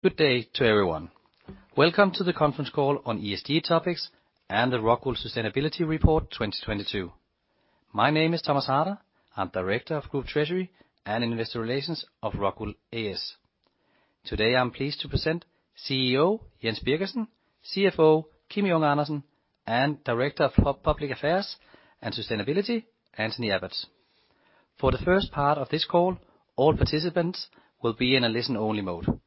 Good day to everyone. Welcome to the conference call on ESG topics and the ROCKWOOL Sustainability Report 2022. My name is Thomas Harder. I'm Director of Group Treasury and Investor Relations of ROCKWOOL A/S. Today, I'm pleased to present CEO Jens Birgersson, CFO Kim Junge Andersen, and Director of Public Affairs and Sustainability Anthony Abbotts. For the first part of this call, all participants will be in a listen-only mode.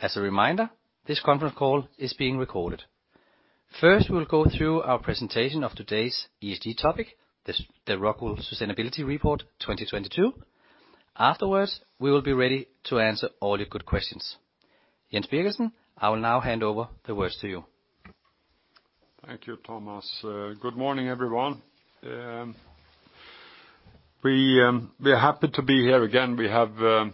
As a reminder, this conference call is being recorded. First, we'll go through our presentation of today's ESG topic, the ROCKWOOL Sustainability Report 2022. Afterwards, we will be ready to answer all your good questions. Jens Birgersson, I will now hand over the words to you. Thank you, Thomas. Good morning, everyone. We are happy to be here again. We have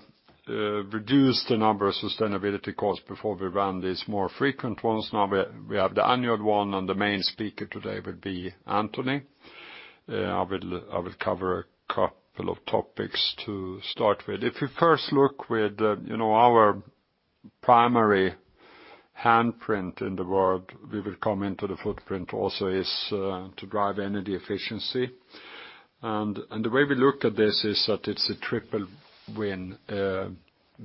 reduced the number of sustainability calls before we ran these more frequent ones. Now we have the annual one, and the main speaker today will be Anthony. I will cover a couple of topics to start with. If you first look with, you know, our primary handprint in the world, we will come into the footprint also, is to drive energy efficiency. The way we looked at this is that it's a triple win.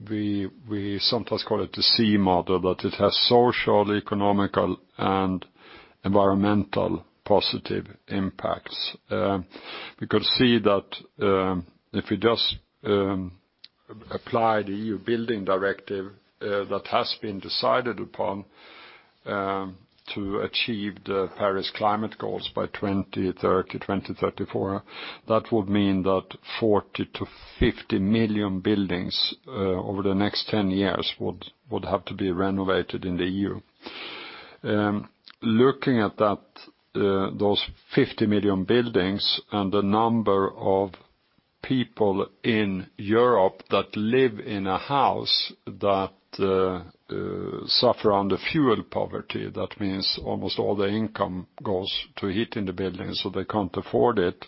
We sometimes call it the C model, but it has social, economic, and environmental positive impacts. We could see that if we just apply the EU Building Directive that has been decided upon to achieve the Paris Agreement goals by 2030, 2034, that would mean that 40-50 million buildings over the next 10 years would have to be renovated in the EU. Looking at that, those 50 million buildings and the number of people in Europe that live in a house that suffer under fuel poverty, that means almost all the income goes to heat in the building. They can't afford it.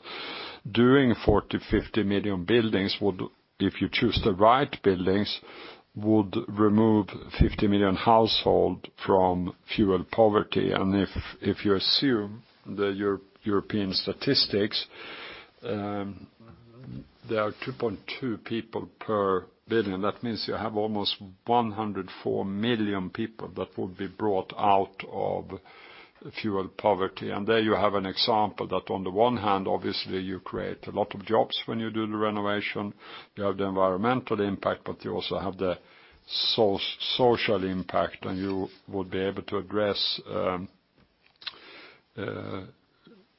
Doing 40, 50 million buildings would, if you choose the right buildings, would remove 50 million household from fuel poverty. If you assume the European statistics, there are 2.2 people per building, that means you have almost 104 million people that would be brought out of fuel poverty. There you have an example that on the one hand, obviously you create a lot of jobs when you do the renovation. You have the environmental impact, but you also have the social impact, and you would be able to address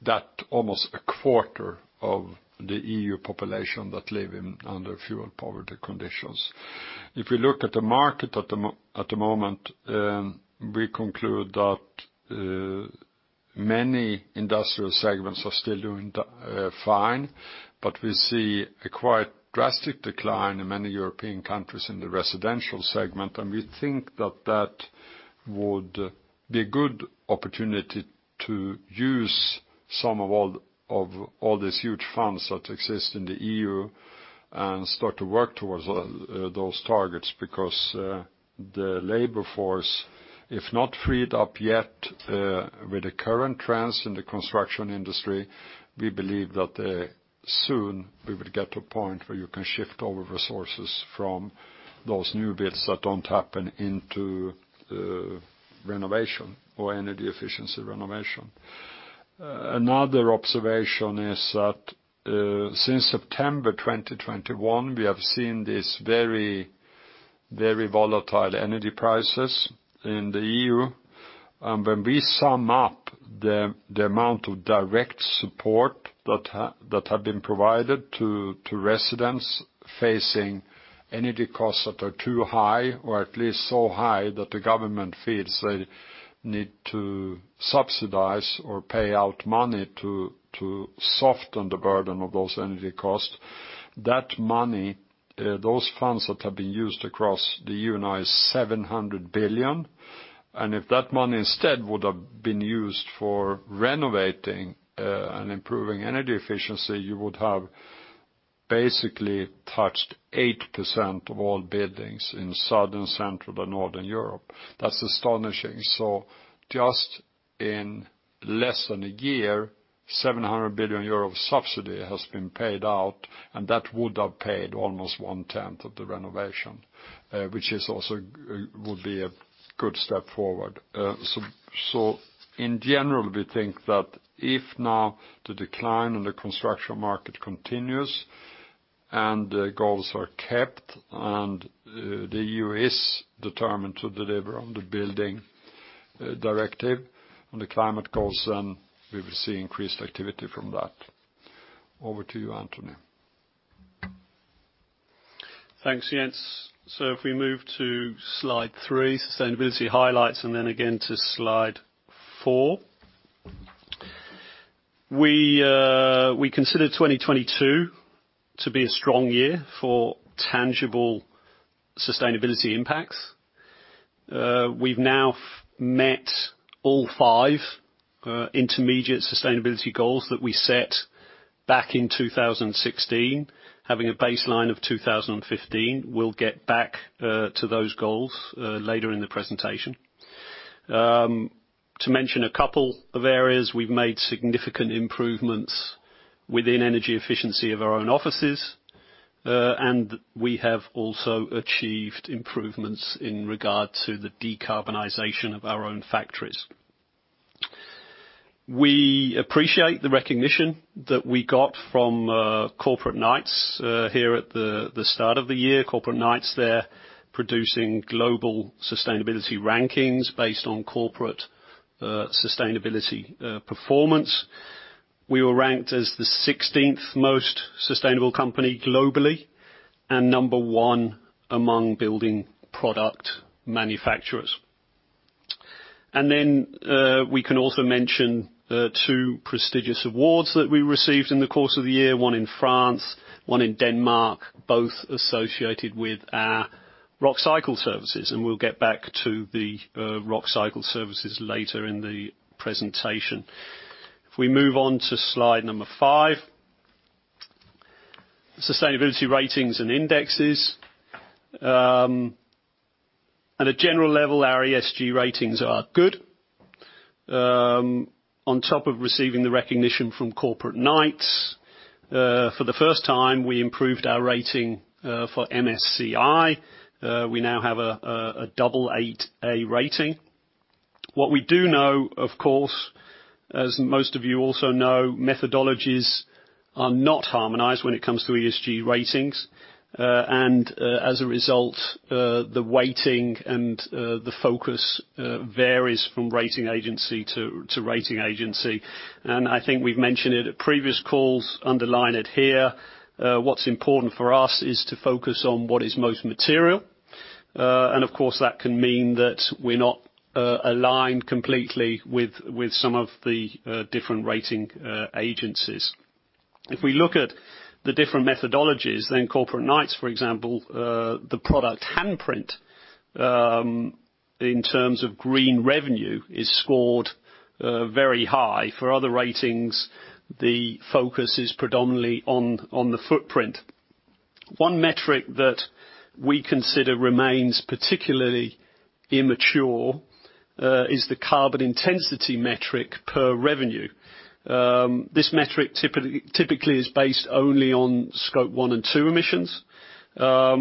that almost a quarter of the EU population that live in under fuel poverty conditions. If you look at the market at the moment, we conclude that many industrial segments are still doing fine, but we see a quite drastic decline in many European countries in the residential segment. We think that that would be a good opportunity to use some of all these huge funds that exist in the EU and start to work towards those targets because the labor force, if not freed up yet with the current trends in the construction industry, we believe that soon we will get to a point where you can shift all the resources from those new builds that don't happen into renovation or energy efficiency renovation. Another observation is that since September 2021, we have seen this very volatile energy prices in the EU. When we sum up the amount of direct support that have been provided to residents facing energy costs that are too high or at least so high that the government feels they need to subsidize or pay out money to soften the burden of those energy costs, that money, those funds that have been used across the EU now is 700 billion. If that money instead would have been used for renovating and improving energy efficiency, you would have basically touched 8% of all buildings in Southern, Central, and Northern Europe. That's astonishing. Just in less than a year, 700 billion euro of subsidy has been paid out, and that would have paid almost one-tenth of the renovation, which is also would be a good step forward. In general, we think that if now the decline in the construction market continues and the goals are kept and the EU is determined to deliver on the building directive on the climate goals, then we will see increased activity from that. Over to you, Anthony. Thanks, Jens. If we move to slide three, Sustainability Highlights, and then again to slide four. We consider 2022 to be a strong year for tangible sustainability impacts. We've now met all five intermediate sustainability goals that we set back in 2016, having a baseline of 2015. We'll get back to those goals later in the presentation. To mention a couple of areas, we've made significant improvements within energy efficiency of our own offices, and we have also achieved improvements in regard to the decarbonization of our own factories. We appreciate the recognition that we got from Corporate Knights here at the start of the year. Corporate Knights, they're producing global sustainability rankings based on corporate sustainability performance. We were ranked as the 16th most sustainable company globally and number one among building product manufacturers. We can also mention the two prestigious awards that we received in the course of the year, one in France, one in Denmark, both associated with our Rockcycle services, and we'll get back to the Rockcycle services later in the presentation. If we move on to slide number five, sustainability ratings and indexes. At a general level, our ESG ratings are good. On top of receiving the recognition from Corporate Knights, for the first time, we improved our rating for MSCI. We now have an AA rating. What we do know, of course, as most of you also know, methodologies are not harmonized when it comes to ESG ratings. As a result, the weighting and the focus varies from rating agency to rating agency. I think we've mentioned it at previous calls, underline it here. What's important for us is to focus on what is most material. Of course, that can mean that we're not aligned completely with some of the different rating agencies. If we look at the different methodologies, then Corporate Knights, for example, the product handprint, in terms of green revenue, is scored very high. For other ratings, the focus is predominantly on the footprint. One metric that we consider remains particularly immature, is the carbon intensity metric per revenue. This metric typically is based only on Scope 1 and 2 emissions,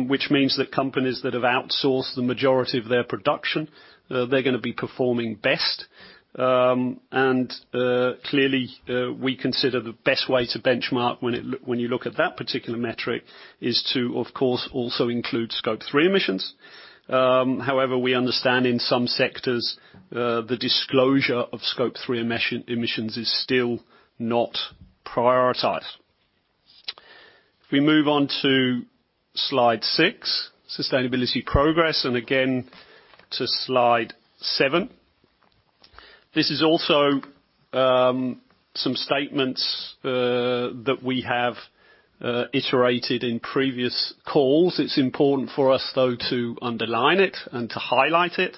which means that companies that have outsourced the majority of their production, they're going to be performing best. Clearly, we consider the best way to benchmark when you look at that particular metric is to, of course, also include Scope 3 emissions. However, we understand in some sectors, the disclosure of Scope 3 emissions is still not prioritized. If we move on to slide six, sustainability progress, and again to slide seven. This is also some statements that we have iterated in previous calls. It's important for us, though, to underline it and to highlight it.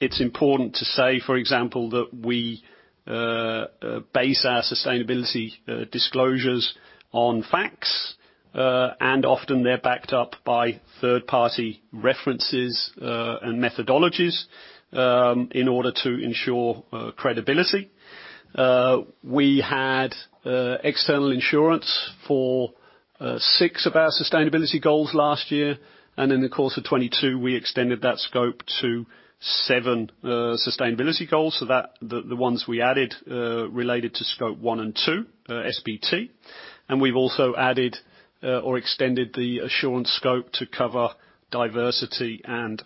It's important to say, for example, that we base our sustainability disclosures on facts, and often they're backed up by third-party references and methodologies in order to ensure credibility. We had external insurance for six of our sustainability goals last year, and in the course of 2022, we extended that scope to seven sustainability goals. The ones we added related to Scope 1 and 2 SBT. We've also added or extended the assurance scope to cover diversity and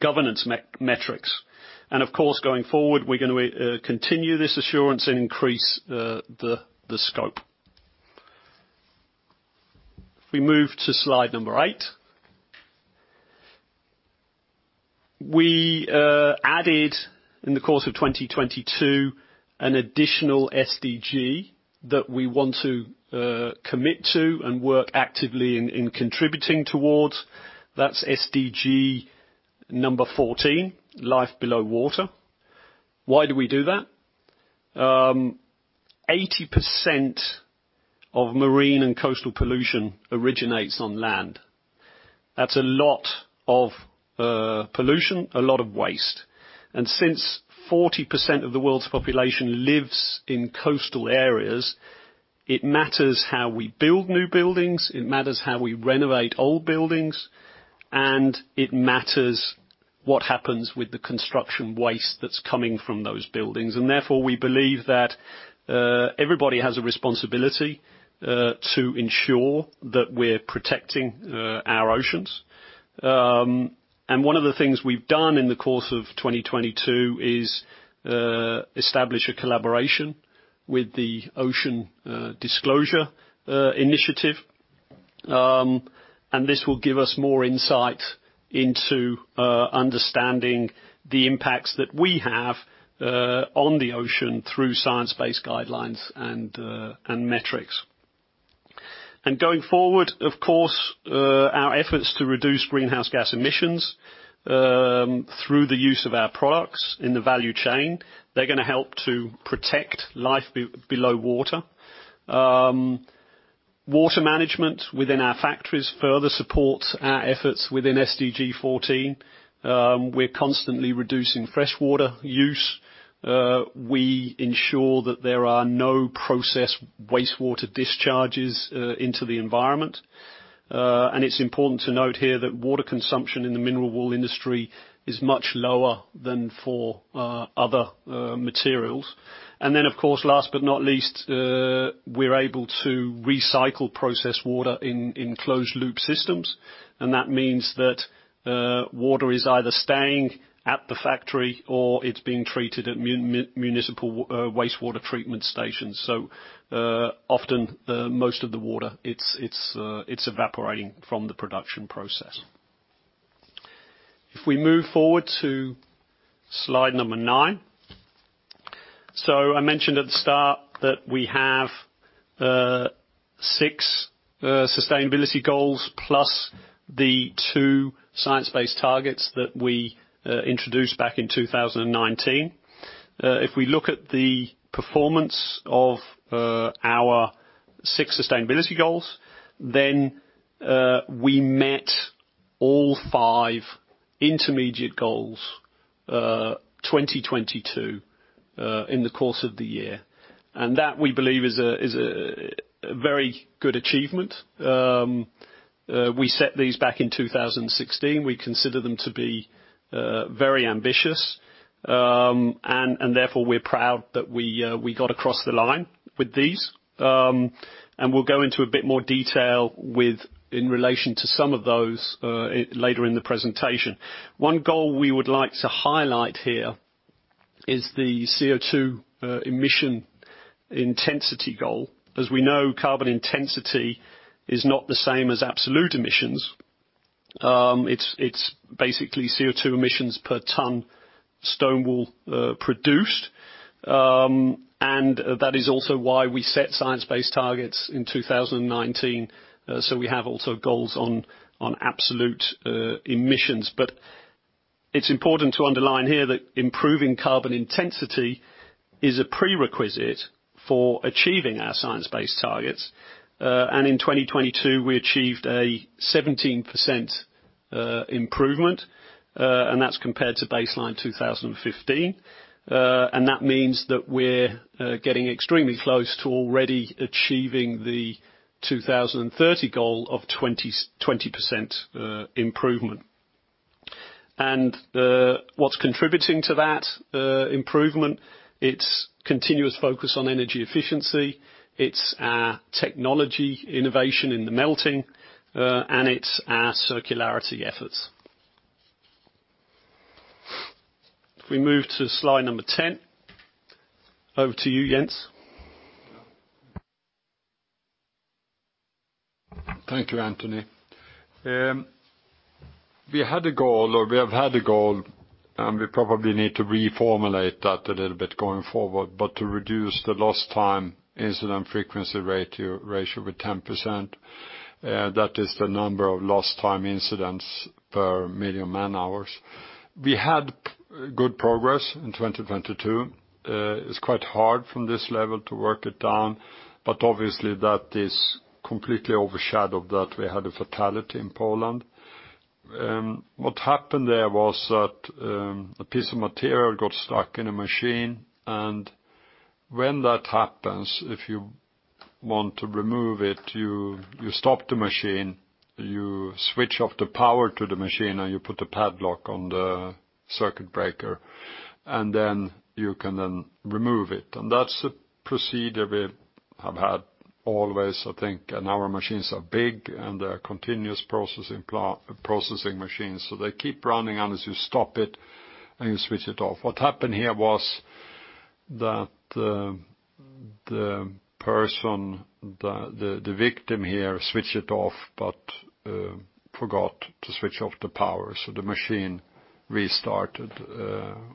governance metrics. Of course, going forward, we're going to continue this assurance and increase the scope. If we move to slide number eight. We added, in the course of 2022, an additional SDG that we want to commit to and work actively in contributing towards. That's SDG number 14, Life Below Water. Why do we do that? 80% of marine and coastal pollution originates on land. That's a lot of pollution, a lot of waste. Since 40% of the world's population lives in coastal areas, it matters how we build new buildings, it matters how we renovate old buildings, and it matters what happens with the construction waste that's coming from those buildings. Therefore, we believe that everybody has a responsibility to ensure that we're protecting our oceans. One of the things we've done in the course of 2022 is establish a collaboration with the Ocean Disclosure Project. This will give us more insight into understanding the impacts that we have on the ocean through science-based guidelines and metrics. Going forward, of course, our efforts to reduce greenhouse gas emissions through the use of our products in the value chain, they're going to help to protect life below water. Water management within our factories further supports our efforts within SDG 14. We're constantly reducing fresh water use. We ensure that there are no process wastewater discharges into the environment. It's important to note here that water consumption in the mineral wool industry is much lower than for other materials. Of course, last but not least, we're able to recycle processed water in closed loop systems. That means that water is either staying at the factory or it's being treated at municipal wastewater treatment stations. Often, most of the water, it's evaporating from the production process. If we move forward to slide number nine. I mentioned at the start that we have six sustainability goals, plus the two science-based targets that we introduced back in 2019. If we look at the performance of our six sustainability goals, we met all five intermediate goals 2022 in the course of the year. That, we believe, is a very good achievement. We set these back in 2016. We consider them to be very ambitious. Therefore, we're proud that we got across the line with these. We'll go into a bit more detail in relation to some of those later in the presentation. One goal we would like to highlight here is the CO2 emission intensity goal. As we know, carbon intensity is not the same as absolute emissions. It's basically CO2 emissions per ton stone wool produced. That is also why we set science-based targets in 2019, so we have also goals on absolute emissions. But it's important to underline here that improving carbon intensity is a prerequisite for achieving our science-based targets. In 2022, we achieved a 17% improvement, and that's compared to baseline 2015. That means that we're getting extremely close to already achieving the 2030 goal of 20% improvement. What's contributing to that improvement, it's continuous focus on energy efficiency, it's our technology innovation in the melting, and it's our circularity efforts. If we move to slide number 10. Over to you, Jens. Thank you, Anthony. We had a goal, or we have had a goal, and we probably need to reformulate that a little bit going forward. To reduce the lost time injury frequency rate to ratio with 10%, that is the number of lost time incidents per million man hours. We had good progress in 2022. It's quite hard from this level to work it down, but obviously that is completely overshadowed that we had a fatality in Poland. What happened there was that a piece of material got stuck in a machine, and when that happens, if you want to remove it, you stop the machine, you switch off the power to the machine, and you put a padlock on the circuit breaker, and then you can then remove it. That's the procedure we have had always, I think. Our machines are big and they are continuous processing machines, so they keep running unless you stop it and you switch it off. What happened here was that the person, the victim here switched it off, but forgot to switch off the power, so the machine restarted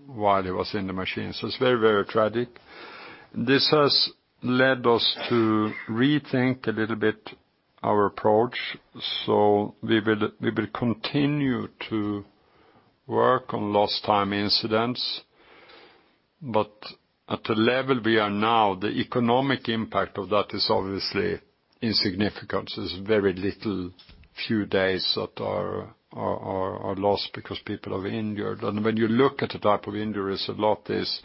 while he was in the machine. It's very, very tragic. This has led us to rethink a little bit our approach. We will continue to work on lost time incidents, but at the level we are now, the economic impact of that is obviously insignificant. There's very little, few days that are lost because people are injured. When you look at the type of injuries, a lot is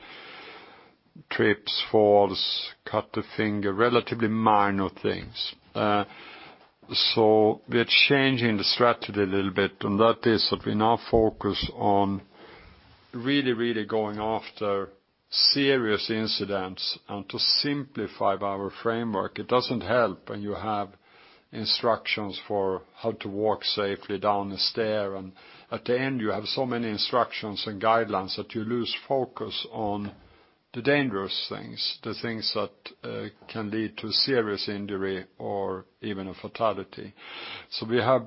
trips, falls, cut the finger, relatively minor things. We are changing the strategy a little bit, and that is that we now focus on really, really going after serious incidents and to simplify our framework. It doesn't help when you have instructions for how to walk safely down the stair. At the end, you have so many instructions and guidelines that you lose focus on the dangerous things, the things that can lead to serious injury or even a fatality. We have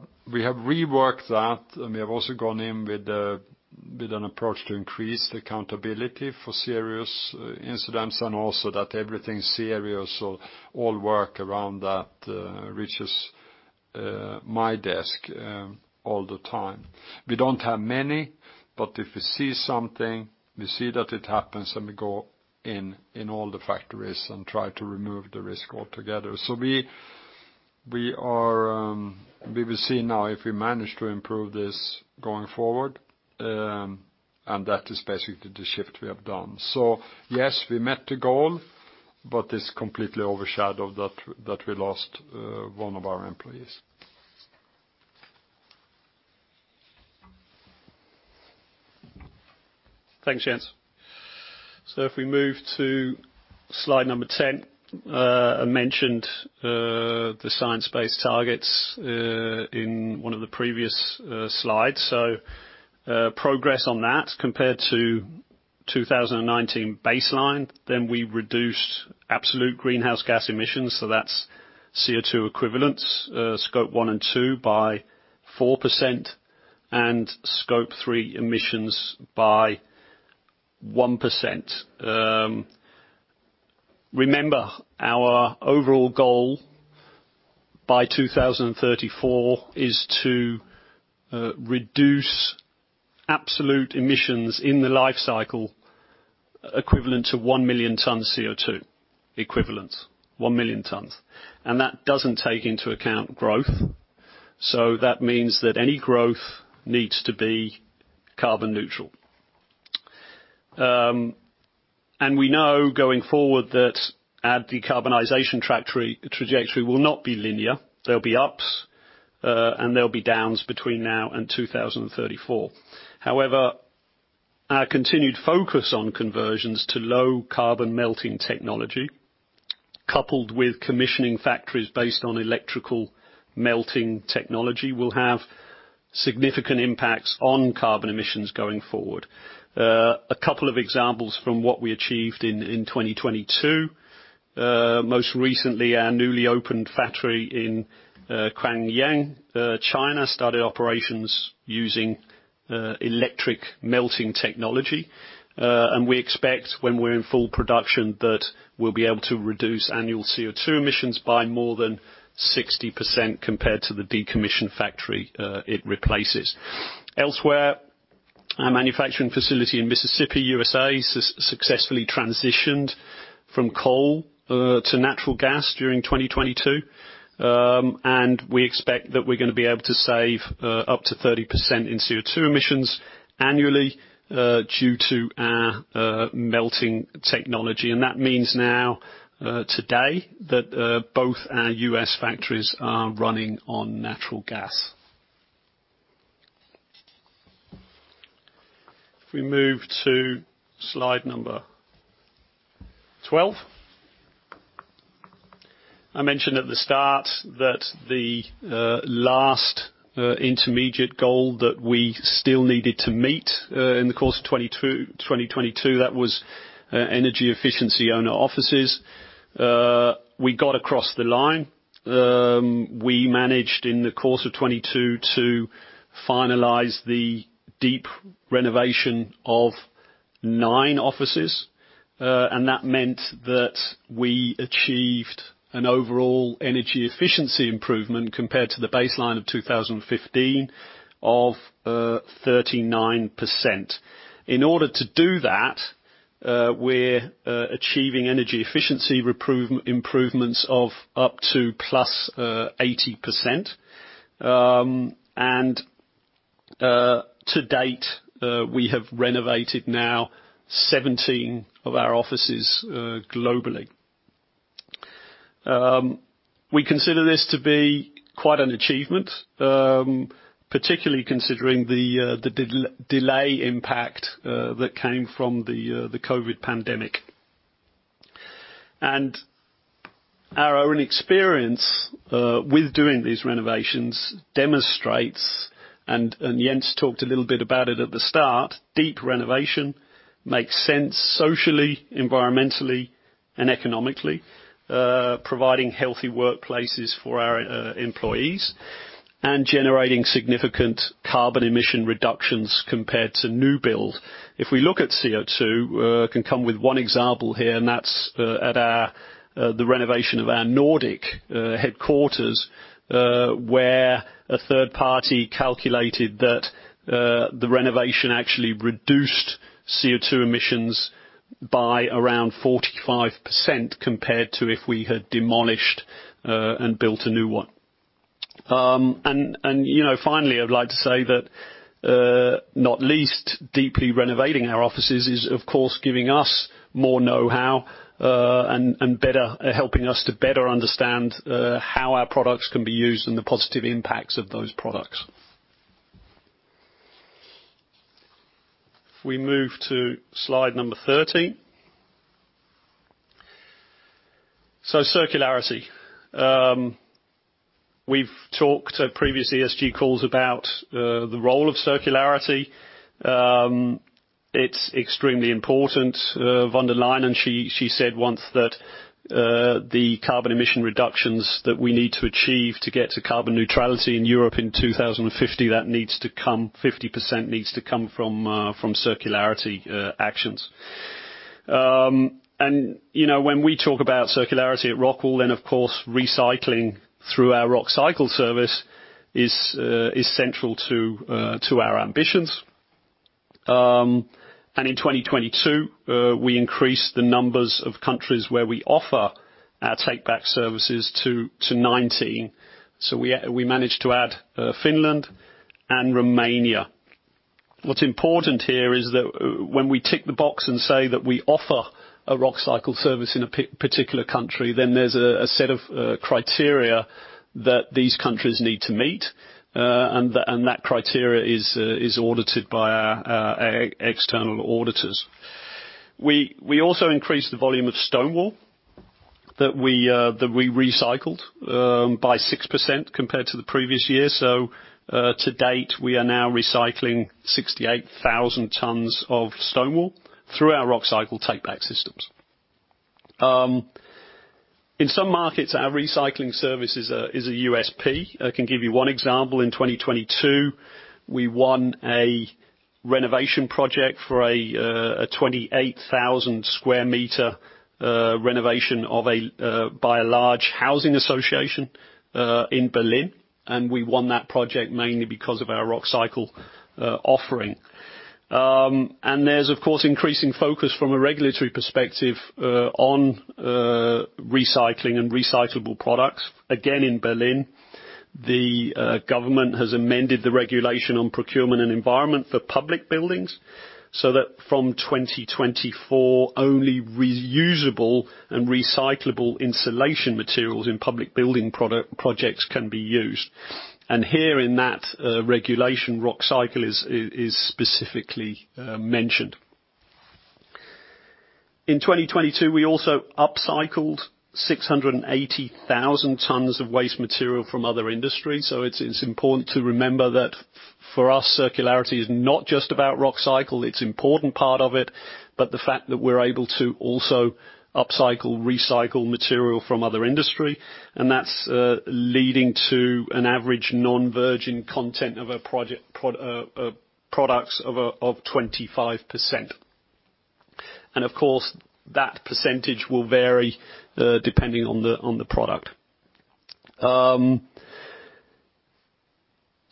reworked that, and we have also gone in with an approach to increase the accountability for serious incidents, and also that everything serious or all work around that reaches my desk all the time. We don't have many, but if we see something, we see that it happens, then we go in all the factories and try to remove the risk altogether. We will see now if we manage to improve this going forward. That is basically the shift we have done. Yes, we met the goal, but it's completely overshadowed that we lost one of our employees. Thanks, Jens. If we move to slide number 10. I mentioned the science-based targets in one of the previous slides. Progress on that compared to 2019 baseline, then we reduced absolute greenhouse gas emissions, so that's CO2 equivalents, Scope 1 and 2 by 4%, and Scope 3 emissions by 1%. Remember, our overall goal by 2034 is to reduce absolute emissions in the life cycle equivalent to 1 million tons of CO2 equivalents. 1 million tons. That doesn't take into account growth. That means that any growth needs to be carbon neutral. We know going forward that our decarbonization trajectory will not be linear. There will be ups and there will be downs between now and 2034. Our continued focus on conversions to low carbon melting technology, coupled with commissioning factories based on electric melting technology, will have significant impacts on carbon emissions going forward. A couple of examples from what we achieved in 2022. Most recently, our newly opened factory in Qingyuan, China, started operations using electric melting technology. We expect, when we're in full production, that we'll be able to reduce annual CO2 emissions by more than 60% compared to the decommissioned factory it replaces. Elsewhere, our manufacturing facility in Mississippi, USA, successfully transitioned from coal to natural gas during 2022, and we expect that we're going to be able to save up to 30% in CO2 emissions annually due to our melting technology. That means now today that both our US factories are running on natural gas. If we move to slide number 12. I mentioned at the start that the last intermediate goal that we still needed to meet in the course of 2022, that was energy efficiency on our offices. We got across the line. We managed, in the course of 2022, to finalize the deep renovation of nine offices. That meant that we achieved an overall energy efficiency improvement compared to the baseline of 2015 of 39%. In order to do that, we're achieving energy efficiency improvements of up to +80%. To date, we have renovated now 17 of our offices globally. We consider this to be quite an achievement, particularly considering the delay impact that came from the COVID pandemic. Our own experience with doing these renovations demonstrates, and Jens talked a little bit about it at the start, deep renovation makes sense socially, environmentally, and economically, providing healthy workplaces for our employees and generating significant carbon emission reductions compared to new build. If we look at CO2, can come with one example here, and that's at our the renovation of our Nordic headquarters, where a third party calculated that the renovation actually reduced CO2 emissions by around 45%, compared to if we had demolished and built a new one. You know, finally, I'd like to say that, not least, deeply renovating our offices is of course giving us more know-how, helping us to better understand how our products can be used and the positive impacts of those products. If we move to slide number 13. Circularity. We've talked at previous ESG calls about the role of circularity. It's extremely important, von der Leyen, she said once that the carbon emission reductions that we need to achieve to get to carbon neutrality in Europe in 2050, 50% needs to come from circularity actions. You know, when we talk about circularity at ROCKWOOL, of course, recycling through our Rockcycle service is central to our ambitions. In 2022, we increased the numbers of countries where we offer our takeback services to 19. We managed to add Finland and Romania. What's important here is that when we tick the box and say that we offer a Rockcycle service in a particular country, then there's a set of criteria that these countries need to meet. And that criteria is audited by our external auditors. We also increased the volume of stone wool that we recycled by 6% compared to the previous year. To date, we are now recycling 68,000 tons of stone wool through our Rockcycle takeback systems. In some markets, our recycling service is a USP. I can give you one example. In 2022, we won a renovation project for a 28,000 sq. m. renovation of a by a large housing association in Berlin. We won that project mainly because of our Rockcycle offering. There's of course, increasing focus from a regulatory perspective on recycling and recyclable products. Again, in Berlin, the government has amended the regulation on procurement and environment for public buildings so that from 2024, only reusable and recyclable insulation materials in public building projects can be used. Here in that regulation, Rockcycle is specifically mentioned. In 2022, we also upcycled 680,000 tons of waste material from other industries, so it's important to remember that for us, circularity is not just about Rockcycle. It's an important part of it, but the fact that we're able to also upcycle, recycle material from other industry, and that's leading to an average non-virgin content of a project, products of 25%. Of course, that percentage will vary depending on the product.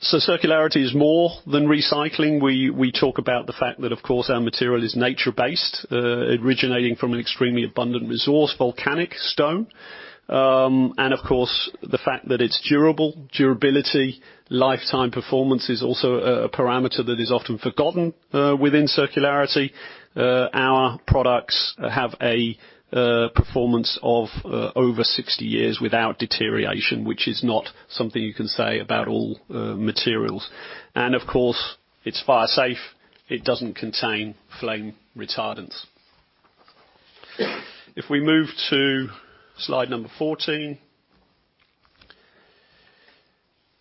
Circularity is more than recycling. We talk about the fact that, of course, our material is nature-based, originating from an extremely abundant resource, volcanic stone. Of course, the fact that it's durable, durability, lifetime performance is also a parameter that is often forgotten within circularity. Our products have a performance of over 60 years without deterioration, which is not something you can say about all materials. Of course, it's fire safe. It doesn't contain flame retardants. If we move to slide number 14.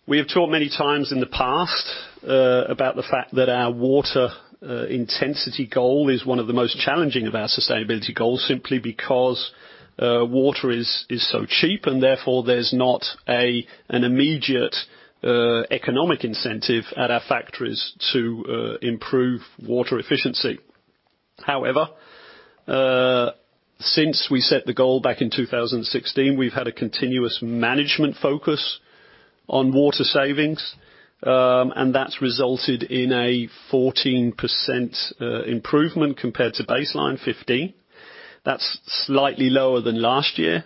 We have talked many times in the past, about the fact that our water intensity goal is one of the most challenging of our sustainability goals, simply because water is so cheap, and therefore there's not an immediate economic incentive at our factories to improve water efficiency. However, since we set the goal back in 2016, we've had a continuous management focus on water savings, and that's resulted in a 14% improvement compared to baseline 15. That's slightly lower than last year,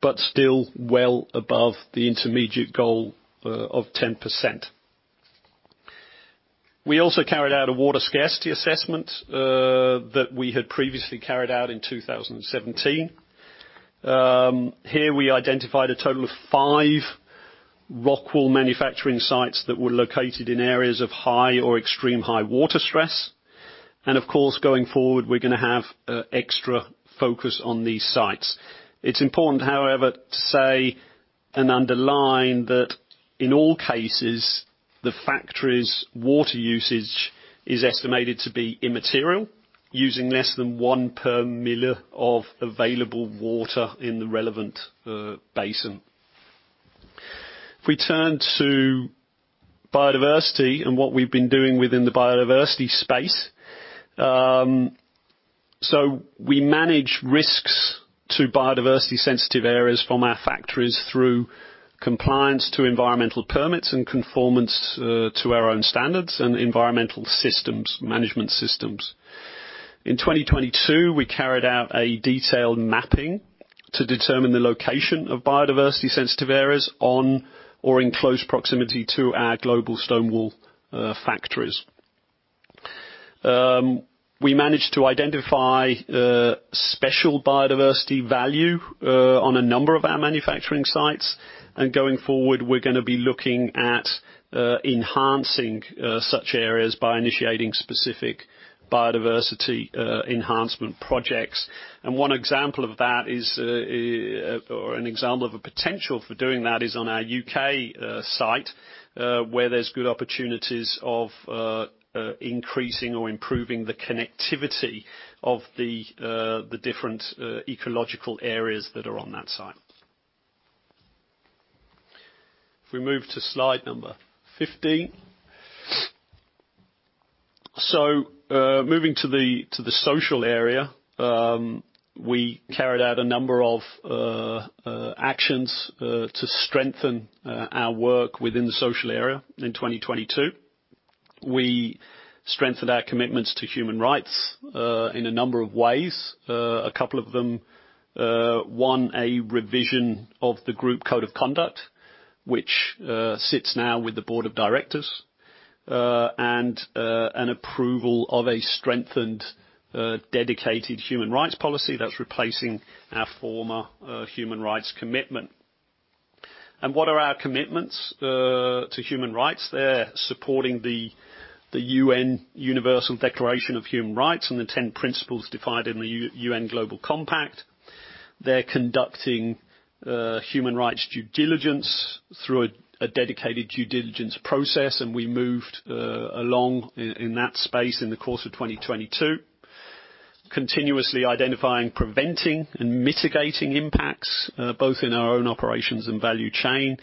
but still well above the intermediate goal of 10%. We also carried out a water scarcity assessment, that we had previously carried out in 2017. Here we identified a total of five ROCKWOOL manufacturing sites that were located in areas of high or extreme high water stress. Of course, going forward, we're going to have a extra focus on these sites. It's important, however, to say and underline that in all cases, the factory's water usage is estimated to be immaterial, using less than 1 per mille of available water in the relevant basin. If we turn to biodiversity and what we've been doing within the biodiversity space. We manage risks to biodiversity sensitive areas from our factories through compliance to environmental permits and conformance to our own standards and environmental systems, management systems. In 2022, we carried out a detailed mapping to determine the location of biodiversity sensitive areas on or in close proximity to our global stone wool factories. We managed to identify special biodiversity value on a number of our manufacturing sites. Going forward, we're going to be looking at enhancing such areas by initiating specific biodiversity enhancement projects. One example of that is or an example of a potential for doing that is on our UK site where there's good opportunities of increasing or improving the connectivity of the different ecological areas that are on that site. If we move to slide number 15. Moving to the social area, we carried out a number of actions to strengthen our work within the social area in 2022. We strengthened our commitments to human rights in a number of ways. A couple of them, one, a revision of the group code of conduct, which sits now with the board of directors. An approval of a strengthened, dedicated human rights policy that's replacing our former human rights commitment. What are our commitments to human rights? They're supporting the UN Universal Declaration of Human Rights and the ten principles defined in the UN Global Compact. They're conducting human rights due diligence through a dedicated due diligence process, and we moved along in that space in the course of 2022. Continuously identifying, preventing, and mitigating impacts both in our own operations and value chain,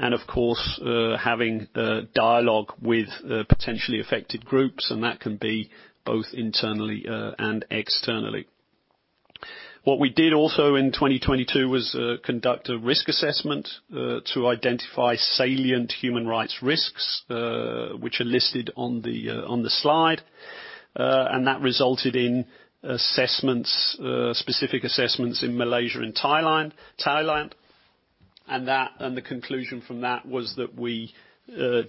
and of course, having dialogue with potentially affected groups, and that can be both internally and externally. What we did also in 2022 was conduct a risk assessment to identify salient human rights risks, which are listed on the slide. That resulted in assessments, specific assessments in Malaysia and Thailand. The conclusion from that was that we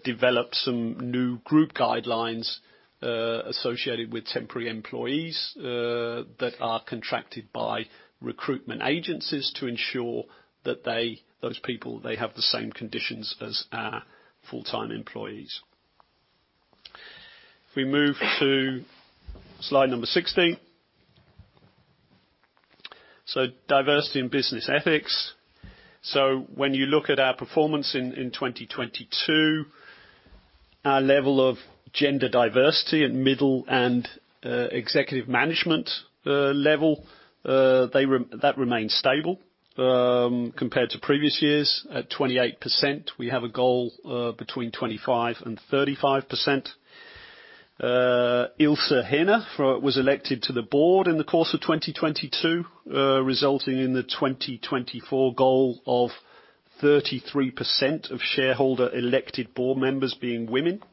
developed some new group guidelines associated with temporary employees that are contracted by recruitment agencies to ensure that those people have the same conditions as our full-time employees. If we move to slide number 16. Diversity and business ethics. When you look at our performance in 2022, our level of gender diversity at middle and executive management level, that remained stable compared to previous years at 28%. We have a goal between 25%-35%. Ilse Huynen was elected to the board in the course of 2022, resulting in the 2024 goal of 33% of shareholder elected board members being women.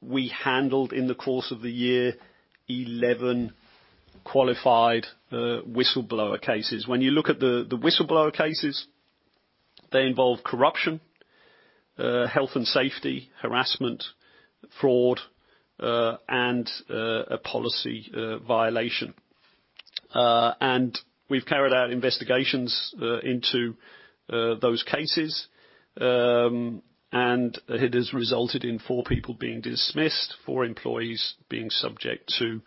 We handled, in the course of the year, 11 qualified whistleblower cases. When you look at the whistleblower cases, they involve corruption, health and safety, harassment, fraud, and a policy violation. We've carried out investigations into those cases, and it has resulted in four people being dismissed, four employees being subject to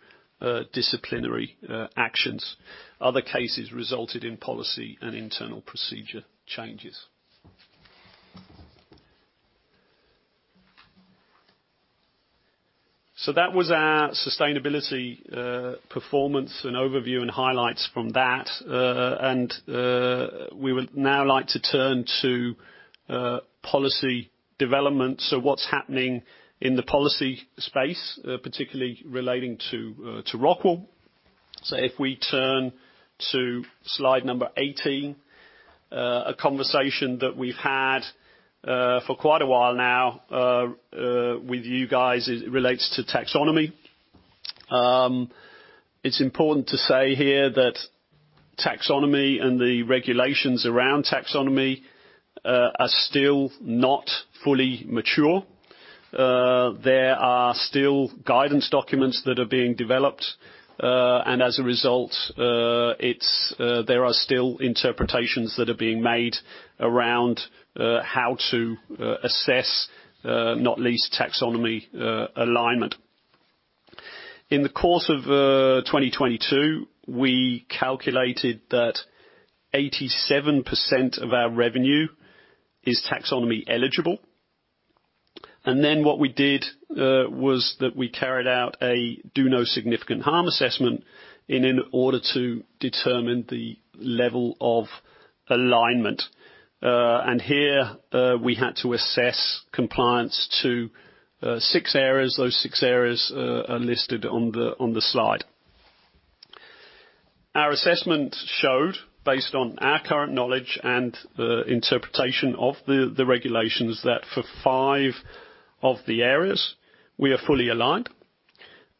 disciplinary actions. Other cases resulted in policy and internal procedure changes. That was our sustainability performance and overview and highlights from that. We would now like to turn to policy development. What's happening in the policy space, particularly relating to ROCKWOOL. If we turn to slide number 18. A conversation that we've had for quite a while now with you guys relates to taxonomy. It's important to say here that taxonomy and the regulations around taxonomy are still not fully mature. There are still guidance documents that are being developed, and as a result, there are still interpretations that are being made around how to assess, not least taxonomy, alignment. In the course of 2022, we calculated that 87% of our revenue is taxonomy eligible. Then what we did was that we carried out a Do No Significant Harm assessment in order to determine the level of alignment. Here, we had to assess compliance to six areas. Those six areas are listed on the, on the slide. Our assessment showed, based on our current knowledge and the interpretation of the regulations, that for five of the areas, we are fully aligned,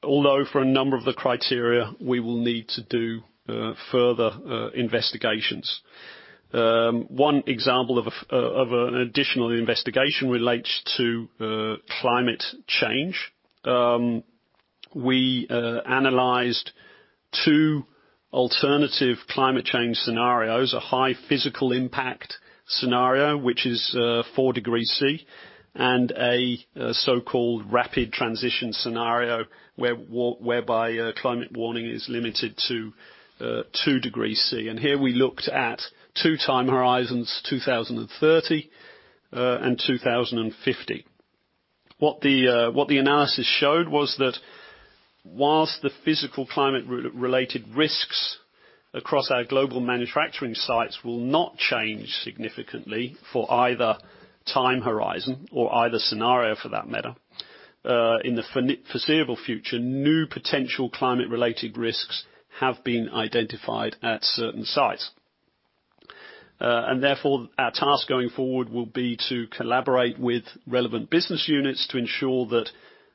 although for a number of the criteria, we will need to do further investigations. One example of an additional investigation relates to climate change. We analyzed two alternative climate change scenarios: a high physical impact scenario, which is four degrees Celsius, and a so-called rapid transition scenario, whereby climate warming is limited to two degrees Celsius. Here we looked at two time horizons, 2030 and 2050. What the analysis showed was that whilst the physical climate related risks across our global manufacturing sites will not change significantly for either time horizon or either scenario for that matter, in the foreseeable future, new potential climate related risks have been identified at certain sites. Therefore, our task going forward will be to collaborate with relevant business units to ensure that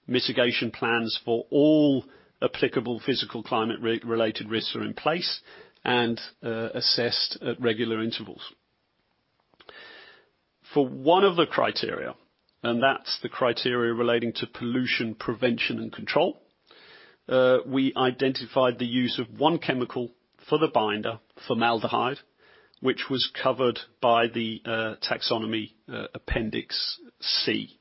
mitigation plans for all applicable physical climate related risks are in place and assessed at regular intervals. For one of the criteria, and that's the criteria relating to pollution prevention and control, we identified the use of one chemical for the binder, formaldehyde, which was covered by the taxonomy, Appendix C.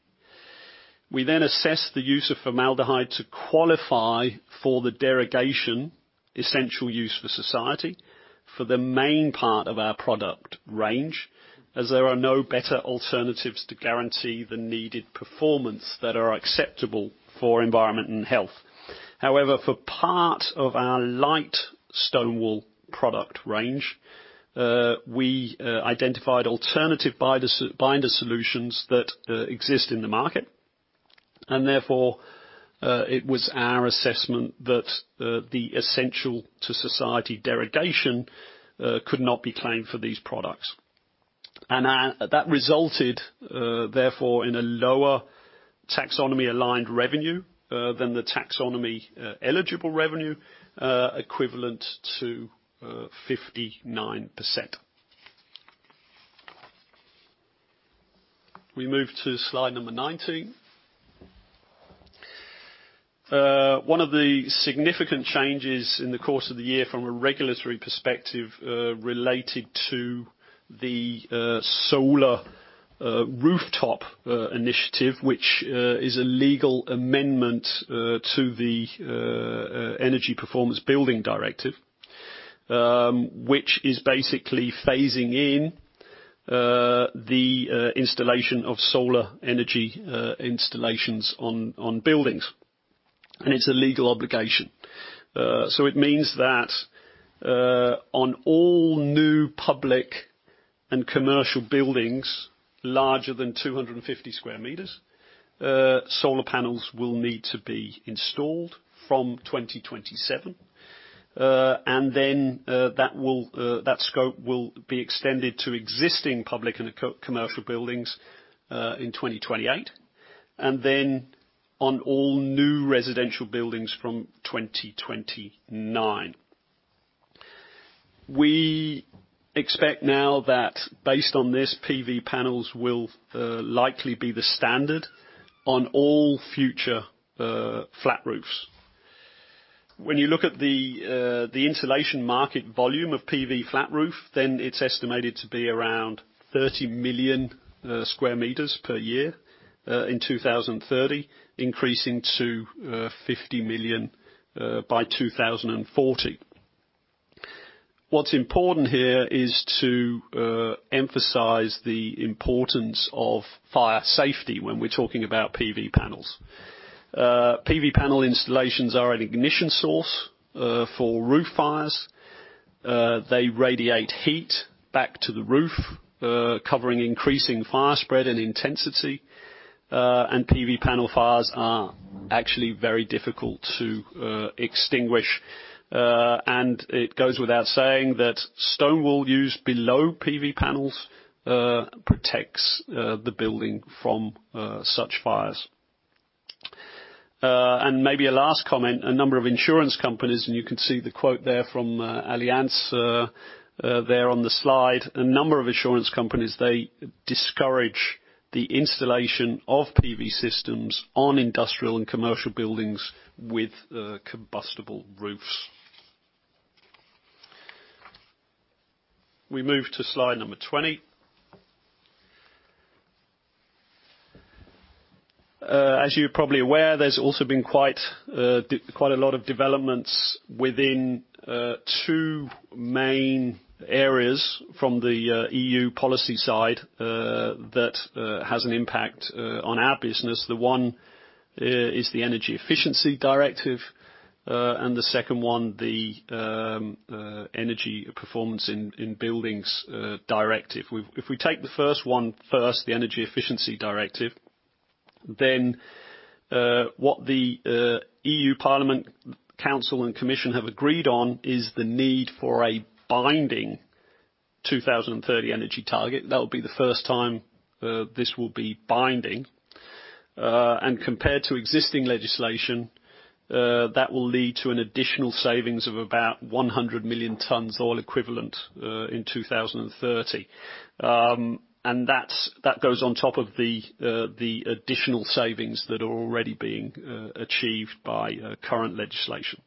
We assessed the use of formaldehyde to qualify for the derogation essential use for society for the main part of our product range, as there are no better alternatives to guarantee the needed performance that are acceptable for environment and health. However, for part of our light stone wool product range, we identified alternative binder solutions that exist in the market and therefore, it was our assessment that the essential to society derogation could not be claimed for these products. That resulted therefore in a lower taxonomy aligned revenue than the taxonomy eligible revenue equivalent to 59%. We move to slide number 19. One of the significant changes in the course of the year from a regulatory perspective related to the solar rooftop initiative. Which is a legal amendment to the Energy Performance of Buildings Directive, which is basically phasing in the installation of solar energy installations on buildings, and it's a legal obligation. It means that on all new public and commercial buildings larger than 250 sq. m., solar panels will need to be installed from 2027. That will, that scope will be extended to existing public and co-commercial buildings in 2028, and then on all new residential buildings from 2029. We expect now that based on this, PV panels will likely be the standard on all future flat roofs. When you look at the installation market volume of PV flat roof, then it's estimated to be around 30 million sq. m. per year in 2030, increasing to 50 million by 2040. What's important here is to emphasize the importance of fire safety when we're talking about PV panels. PV panel installations are an ignition source for roof fires. They radiate heat back to the roof, covering increasing fire spread and intensity. PV panel fires are actually very difficult to extinguish. It goes without saying that stone wool used below PV panels protects the building from such fires. Maybe a last comment, a number of insurance companies, and you can see the quote there from Allianz there on the slide. A number of insurance companies, they discourage the installation of PV systems on industrial and commercial buildings with combustible roofs. We move to slide number 20. As you're probably aware, there's also been quite a lot of developments within two main areas from the EU policy side that has an impact on our business. The one is the Energy Efficiency Directive, and the second one the Energy Performance in Buildings Directive. If we take the first one first, the Energy Efficiency Directive, what the EU Parliament Council and Commission have agreed on is the need for a binding 2030 energy target. That will be the first time this will be binding. Compared to existing legislation, that will lead to an additional savings of about 100 million tons oil equivalent in 2030. That goes on top of the additional savings that are already being achieved by current legislation.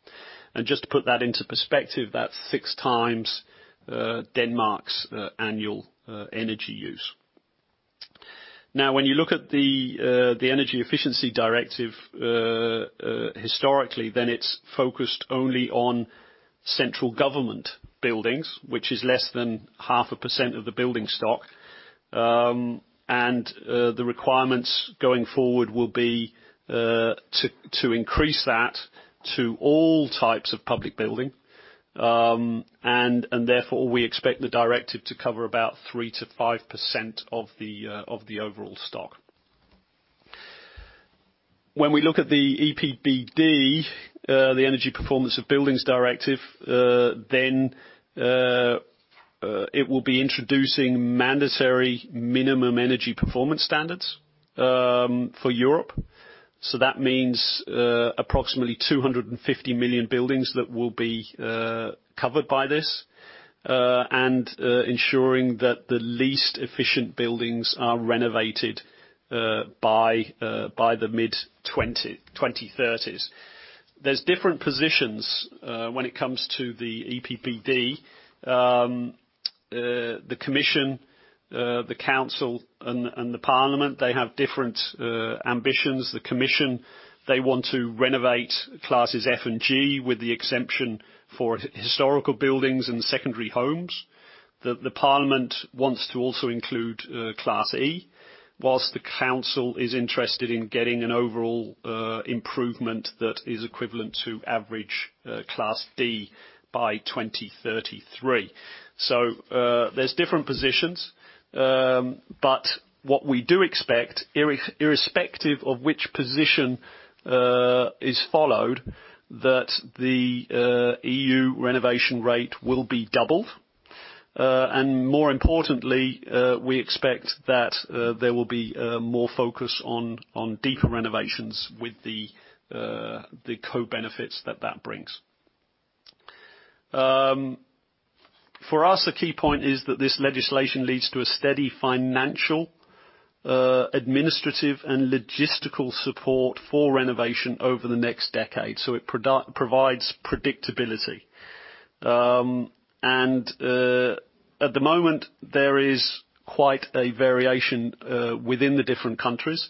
Just to put that into perspective, that's 6 times Denmark's annual energy use. When you look at the Energy Efficiency Directive historically, then it's focused only on central government buildings, which is less than half a percent of the building stock. The requirements going forward will be to increase that to all types of public building. Therefore, we expect the directive to cover about 3%-5% of the overall stock. When we look at the EPBD, the Energy Performance of Buildings Directive, it will be introducing mandatory minimum energy performance standards for Europe. That means approximately 250 million buildings that will be covered by this and ensuring that the least efficient buildings are renovated by the mid-2030s. There's different positions when it comes to the EPBD. The commission, the council and the parliament, they have different ambitions. The commission, they want to renovate classes F and G with the exemption for historical buildings and secondary homes. The parliament wants to also include class E, whilst the council is interested in getting an overall improvement that is equivalent to average class D by 2033. There's different positions, but what we do expect, irrespective of which position is followed, that the EU renovation rate will be doubled. More importantly, we expect that there will be more focus on deeper renovations with the co-benefits that that brings. For us, the key point is that this legislation leads to a steady financial, administrative and logistical support for renovation over the next decade. It provides predictability. At the moment, there is quite a variation within the different countries.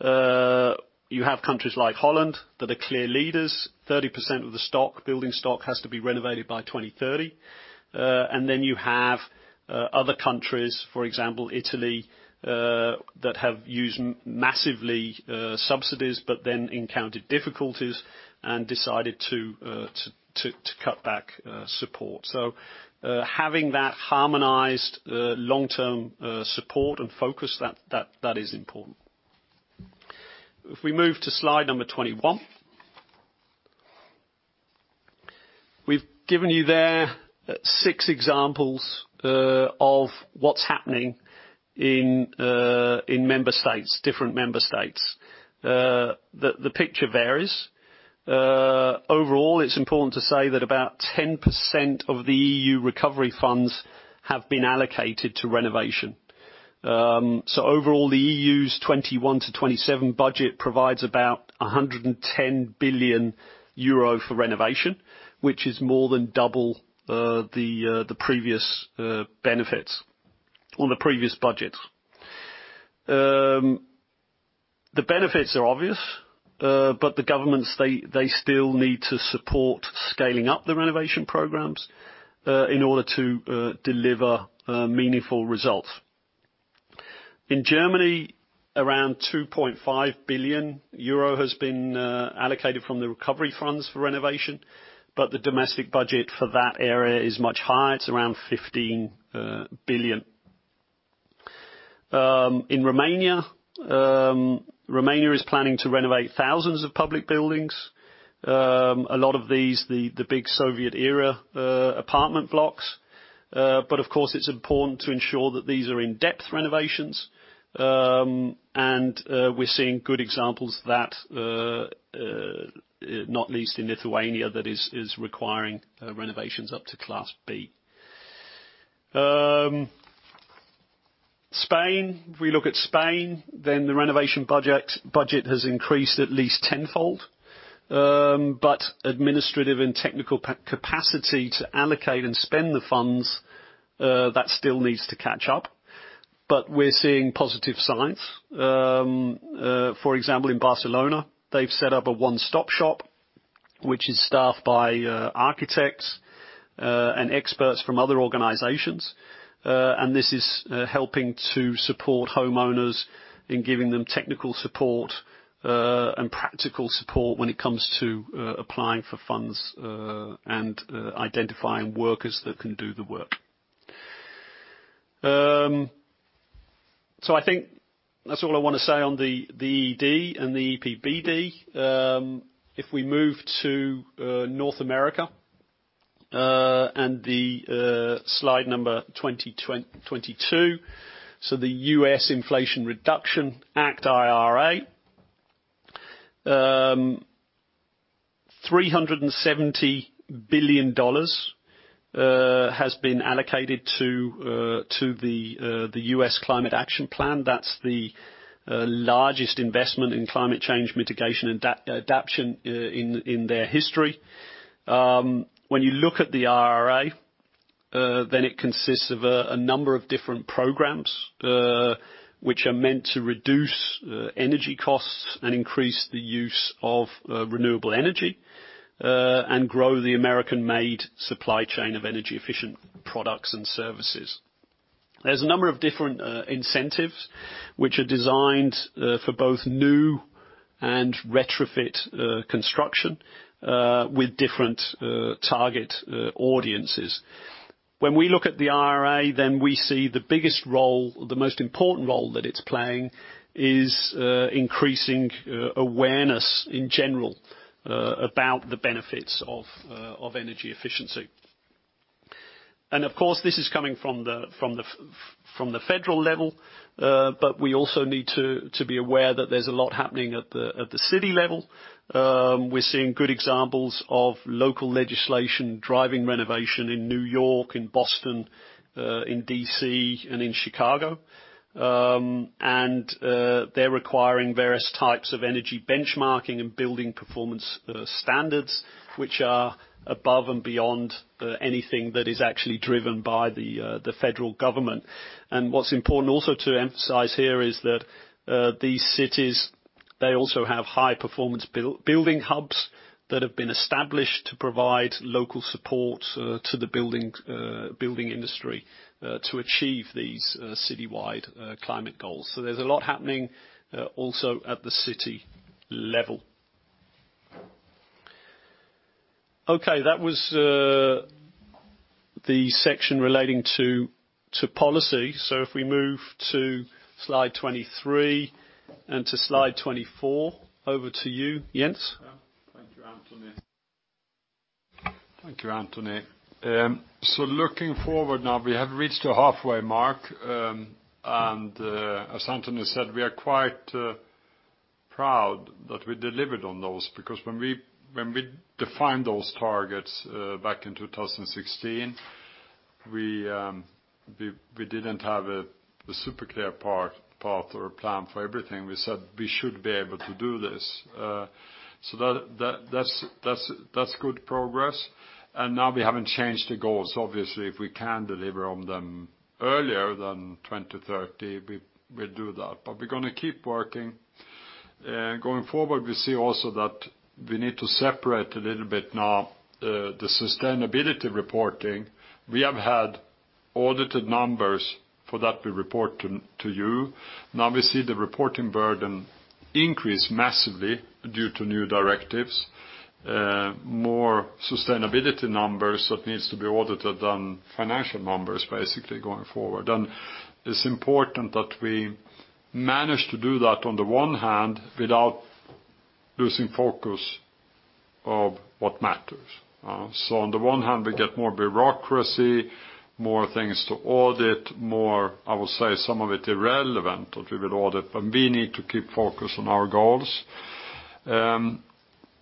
You have countries like Holland that are clear leaders. 30% of the building stock has to be renovated by 2030. You have other countries, for example, Italy, that have used massively subsidies, but then encountered difficulties and decided to cut back support. Having that harmonized long-term support and focus, that is important. If we move to slide number 21. We've given you there six examples of what's happening in member states, different member states. The picture varies. Overall, it's important to say that about 10% of the EU recovery funds have been allocated to renovation. Overall, the EU's 2021-2027 budget provides about 110 billion euro for renovation, which is more than double the previous benefits on the previous budgets. The benefits are obvious, but the governments, they still need to support scaling up the renovation programs in order to deliver meaningful results. In Germany, around 2.5 billion euro has been allocated from the recovery funds for renovation, but the domestic budget for that area is much higher. It's around 15 billion. In Romania is planning to renovate thousands of public buildings. A lot of these, the big Soviet era apartment blocks. Of course, it's important to ensure that these are in-depth renovations. We're seeing good examples that not least in Lithuania, that is requiring renovations up to Class B. Spain, if we look at Spain, the renovation budget has increased at least tenfold. Administrative and technical capacity to allocate and spend the funds, that still needs to catch up. We're seeing positive signs. For example, in Barcelona, they've set up a one-stop shop, which is staffed by architects and experts from other organizations. This is helping to support homeowners in giving them technical support and practical support when it comes to applying for funds and identifying workers that can do the work. I think that's all I want to say on the ED and the EPBD. We move to North America and the slide number 22. The US Inflation Reduction Act, IRA. $370 billion has been allocated to the US Climate Action Plan. That's the largest investment in climate change mitigation adaptation in their history. When you look at the IRA, it consists of a number of different programs. Which are meant to reduce energy costs and increase the use of renewable energy and grow the American-made supply chain of energy efficient products and services. There's a number of different incentives which are designed for both new and retrofit construction with different target audiences. When we look at the IRA, we see the biggest role, the most important role that it's playing is increasing awareness in general about the benefits of energy efficiency. Of course, this is coming from the federal level, we also need to be aware that there's a lot happening at the city level. We're seeing good examples of local legislation driving renovation in New York, in Boston, in D.C., and in Chicago. They're requiring various types of energy benchmarking and building performance standards which are above and beyond anything that is actually driven by the federal government. What's important also to emphasize here is that these cities, they also have high performance building hubs that have been established to provide local support to the building industry to achieve these citywide climate goals. There's a lot happening also at the city level. Okay, that was, the section relating to policy. If we move to slide 23, and to slide 24. Over to you, Jens. Yeah. Thank you, Anthony. Looking forward now, we have reached the halfway mark, and as Anthony said, we are quite proud that we delivered on those because when we defined those targets back in 2016, we didn't have a super clear path or plan for everything. We said we should be able to do this. So that's good progress. Now we haven't changed the goals. Obviously, if we can deliver on them earlier than 2030, we will do that. We're going to keep working. Going forward, we see also that we need to separate a little bit now, the sustainability reporting. We have had audited numbers for that we report to you. Now we see the reporting burden increase massively due to new directives, more sustainability numbers that needs to be audited than financial numbers, basically, going forward. It's important that we manage to do that on the one hand without losing focus of what matters. On the one hand, we get more bureaucracy, more things to audit, more, I would say, some of it irrelevant that we will audit, but we need to keep focus on our goals.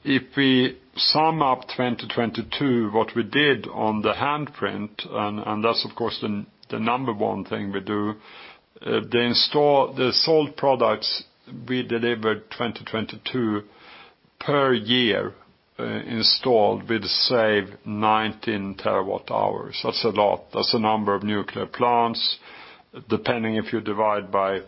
If we sum up 2022, what we did on the handprint, that's of course the number one thing we do, the sold products we delivered 2022 per year, installed will save 19 TWh. That's a lot. That's a number of nuclear plants. Depending if you divide by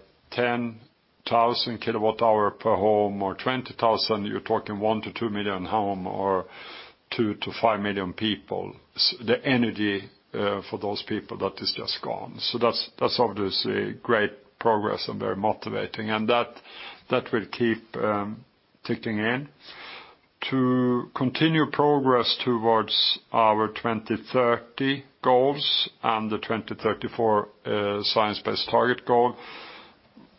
10,000 kWh per home or 20,000, you're talking 1 million-2 million home or 2 million-5 million people. The energy for those people, that is just gone. That's obviously great progress and very motivating, and that will keep ticking in. To continue progress towards our 2030 goals and the 2034 Science-Based Target Goal,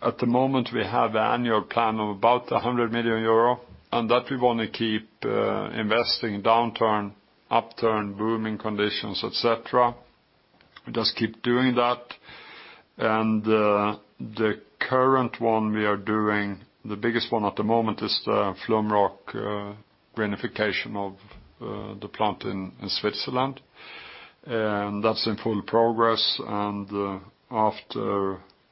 at the moment, we have annual plan of about 100 million euro, and that we want to keep investing downturn, upturn, booming conditions, et cetera. We just keep doing that. The current one we are doing, the biggest one at the moment is the Flumroc greenification of the plant in Switzerland. That's in full progress.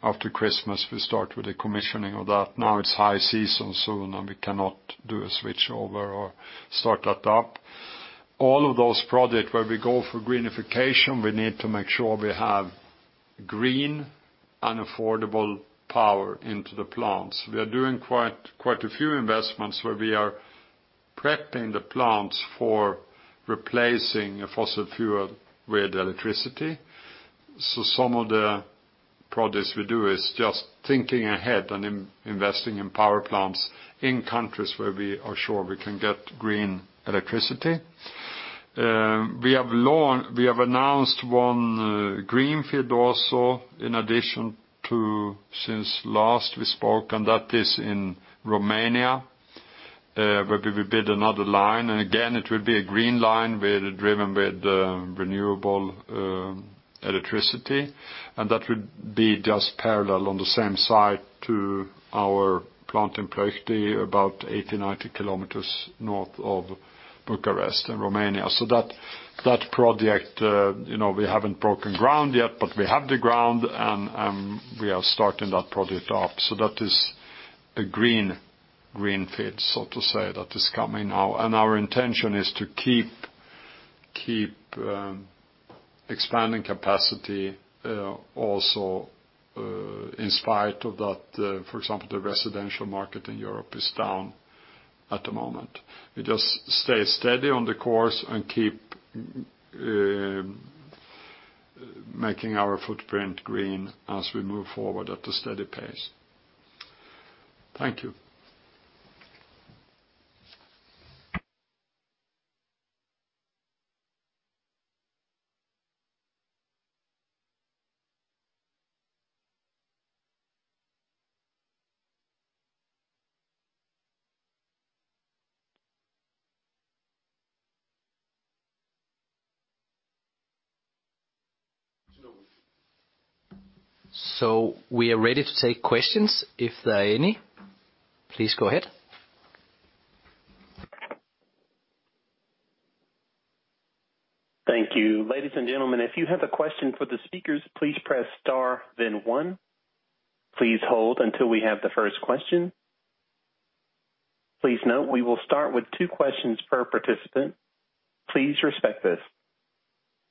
After Christmas, we start with the commissioning of that. Now it's high season soon, and we cannot do a switchover or start that up. All of those projects where we go for greenification, we need to make sure we have green and affordable power into the plants. We are doing quite a few investments where we are prepping the plants for replacing fossil fuel with electricity. Some of the projects we do is just thinking ahead and investing in power plants in countries where we are sure we can get green electricity. We have announced one greenfield also in addition to since last we spoke, and that is in Romania, where we build another line. Again, it will be a green line with, driven with, renewable electricity. That would be just parallel on the same site to our plant in Ploiești, about 80, 90 km north of Bucharest in Romania. That, that project, you know, we haven't broken ground yet, but we have the ground, and we are starting that project up. That is a green greenfield, so to say, that is coming now. Our intention is to keep expanding capacity, also, in spite of that, for example, the residential market in Europe is down at the moment. We just stay steady on the course and keep making our footprint green as we move forward at a steady pace. Thank you. We are ready to take questions if there are any. Please go ahead. Thank you. Ladies and gentlemen, if you have a question for the speakers, please press star then one. Please hold until we have the first question. Please note we will start with two questions per participant. Please respect this.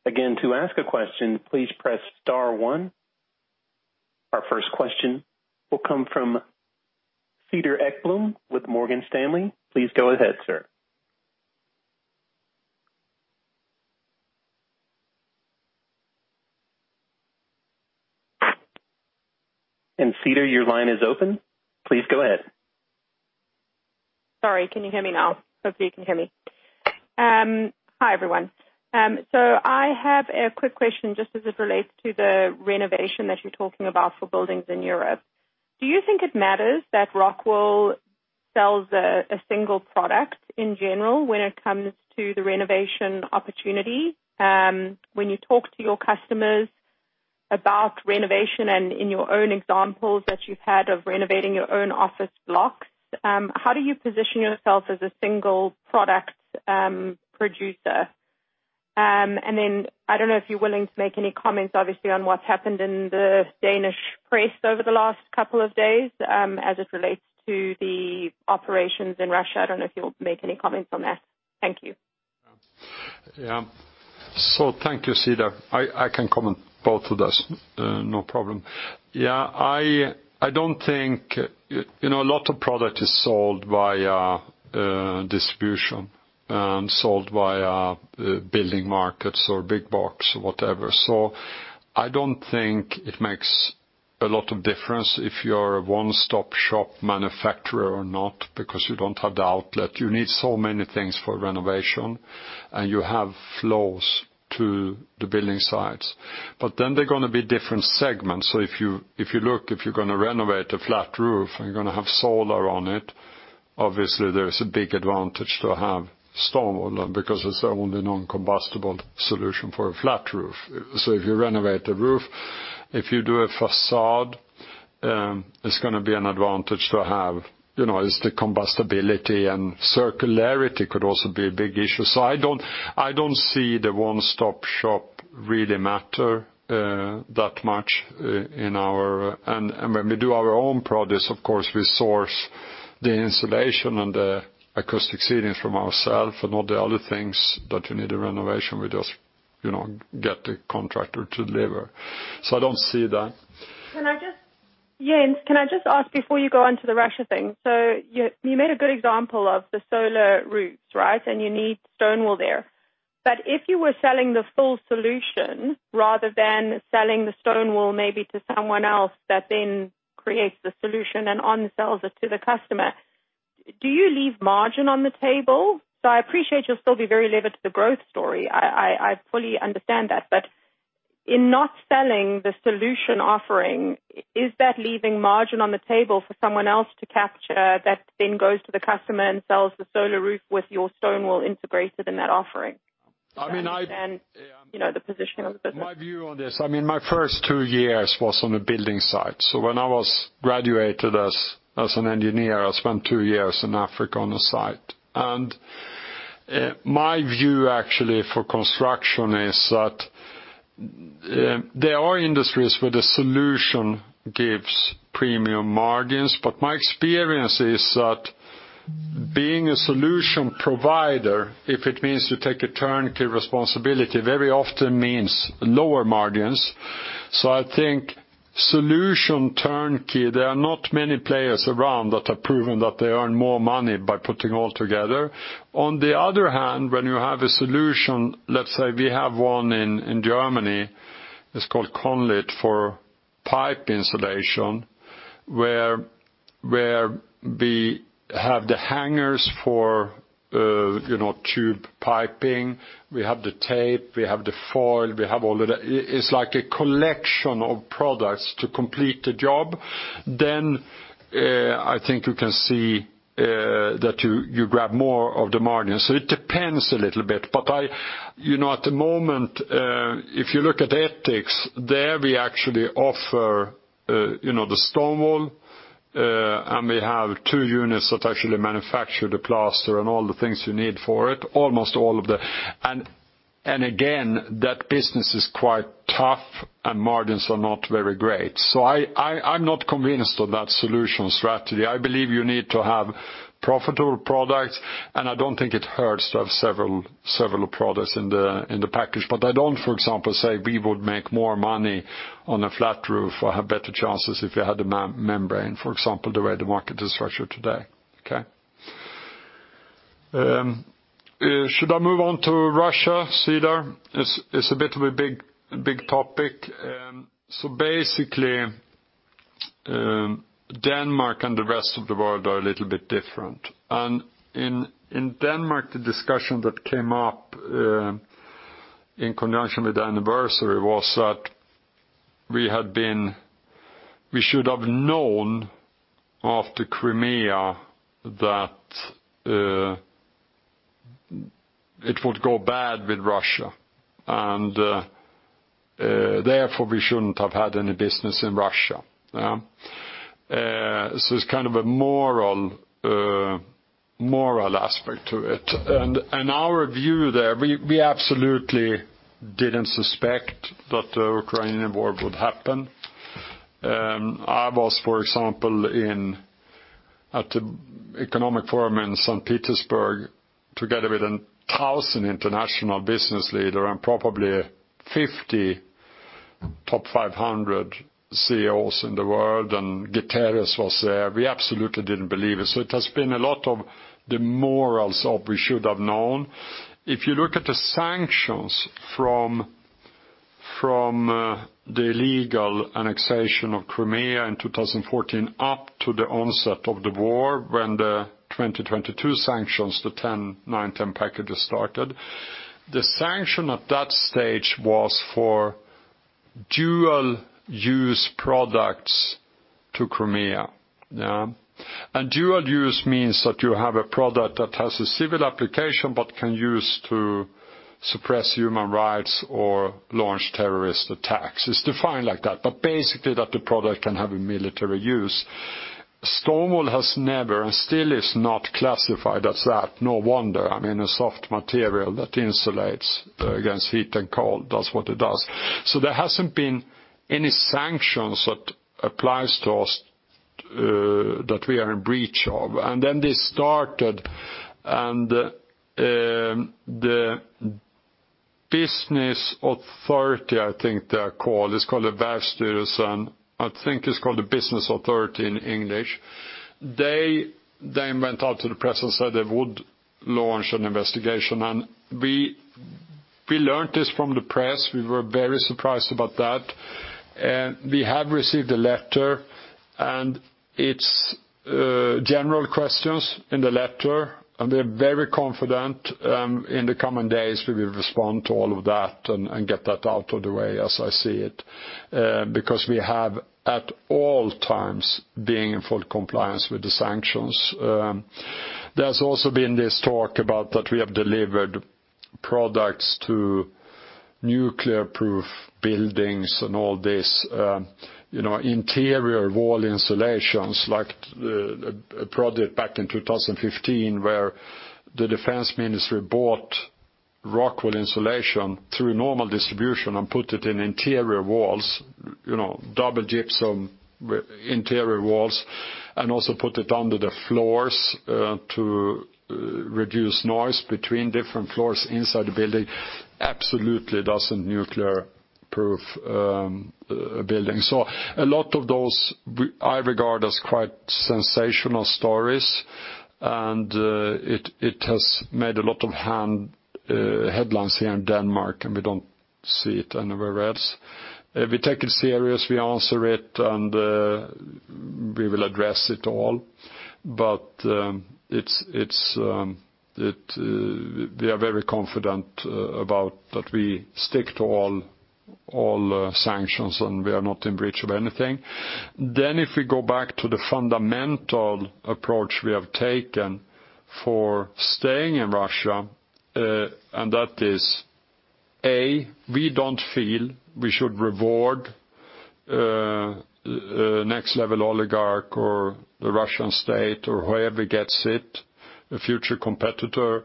Again, to ask a question, please press star one. Our first question will come from Cedar Ekblom with Morgan Stanley. Please go ahead, sir. Cedar, your line is open. Please go ahead. Sorry. Can you hear me now? Hopefully, you can hear me. Hi, everyone. I have a quick question just as it relates to the renovation that you're talking about for buildings in Europe. Do you think it matters that ROCKWOOL sells a single product in general when it comes to the renovation opportunity? When you talk to your customers about renovation and in your own examples that you've had of renovating your own office blocks, how do you position yourself as a single product producer? I don't know if you're willing to make any comments, obviously, on what's happened in the Danish press over the last couple of days, as it relates to the operations in Russia. I don't know if you'll make any comments on that. Thank you. Thank you, Cedar. I can comment both of those. No problem. I don't think, you know, a lot of product is sold via distribution and sold via building markets or big box, whatever. I don't think it makes a lot of difference if you're a one-stop shop manufacturer or not, because you don't have the outlet. You need so many things for renovation, and you have flows to the building sites. There are going to be different segments. If you look, if you're going to renovate a flat roof, and you're going to have solar on it, obviously, there is a big advantage to have stone because it's the only non-combustible solution for a flat roof. If you renovate a roof, if you do a facade, it's going to be an advantage to have, you know, is the combustibility and circularity could also be a big issue. I don't see the one-stop shop really matter that much in our. When we do our own projects, of course, we source the insulation and the acoustic ceilings from ourself and all the other things that you need a renovation, we just, you know, get the contractor to deliver. I don't see that. Can I just ask before you go on to the Russia thing? You made a good example of the solar roofs, right? You need stone wool there. If you were selling the full solution rather than selling the stone wool maybe to someone else that then creates the solution and on sells it to the customer, do you leave margin on the table? I appreciate you'll still be very levered to the growth story. I fully understand that. In not selling the solution offering, is that leaving margin on the table for someone else to capture that then goes to the customer and sells the solar roof with your stone wool integrated in that offering? I mean. I understand, you know, the position of the business. My view on this, I mean, my first two years was on the building site. When I was graduated as an engineer, I spent two years in Africa on the site. My view actually for construction is that there are industries where the solution gives premium margins, but my experience is that being a solution provider, if it means you take a turnkey responsibility, very often means lower margins. I think solution turnkey, there are not many players around that have proven that they earn more money by putting all together. On the other hand, when you have a solution, let's say we have one in Germany, it's called Conlit for pipe insulation, where we have the hangers for, you know, tube piping, we have the tape, we have the foil, we have all of that. It's like a collection of products to complete the job, then, I think you can see that you grab more of the margin. It depends a little bit. I, you know, at the moment, if you look at Etex, there we actually offer, you know, the stone wool, and we have two units that actually manufacture the plaster and all the things you need for it, almost all of the. Again, that business is quite tough and margins are not very great. I, I'm not convinced of that solution strategy. I believe you need to have profitable products, and I don't think it hurts to have several products in the, in the package. I don't, for example, say we would make more money on a flat roof or have better chances if you had a membrane, for example, the way the market is structured today. Okay? Should I move on to Russia, Cedar? It's a bit of a big topic. Basically, Denmark and the rest of the world are a little bit different. In Denmark, the discussion that came up in conjunction with the anniversary was that we should have known after Crimea that it would go bad with Russia, and, therefore, we shouldn't have had any business in Russia. Yeah. It's kind of a moral aspect to it. Our view there, we absolutely didn't suspect that the Ukrainian war would happen. I was, for example, at the economic forum in St. Petersburg together with 1,000 international business leader and probably 50 top 500 CEOs in the world, and Guterres was there. We absolutely didn't believe it. It has been a lot of the morals of we should have known. If you look at the sanctions from the illegal annexation of Crimea in 2014 up to the onset of the war when the 2022 sanctions, the 10, 9, 10 packages started, the sanction at that stage was for dual-use products to Crimea. Yeah. Dual-use means that you have a product that has a civil application, but can use to suppress human rights or launch terrorist attacks. It's defined like that, but basically that the product can have a military use. stone wool has never and still is not classified as that. No wonder. I mean, a soft material that insulates against heat and cold does what it does. There hasn't been any sanctions that applies to us that we are in breach of. Then they started, and the Business Authority, I think they are called, it's called the Erhvervsstyrelsen. I think it's called the Business Authority in English. They went out to the press and said they would launch an investigation. We learned this from the press. We were very surprised about that. We have received a letter, and it's general questions in the letter, and we're very confident in the coming days, we will respond to all of that and get that out of the way as I see it, because we have at all times being in full compliance with the sanctions. There's also been this talk about that we have delivered products to nuclear-proof buildings and all this, you know, interior wall insulations, like a project back in 2015, where the defense ministry bought ROCKWOOL insulation through normal distribution and put it in interior walls, you know, double gypsum interior walls, and also put it under the floors to reduce noise between different floors inside the building. Absolutely doesn't nuclear-proof a building. A lot of those I regard as quite sensational stories, and it has made a lot of headlines here in Denmark, and we don't see it anywhere else. We take it serious, we answer it, and we will address it all. It's, it's, it, we are very confident about that we stick to all sanctions, and we are not in breach of anything. If we go back to the fundamental approach we have taken for staying in Russia, and that is, A, we don't feel we should reward a next-level oligarch or the Russian state or whoever gets it, a future competitor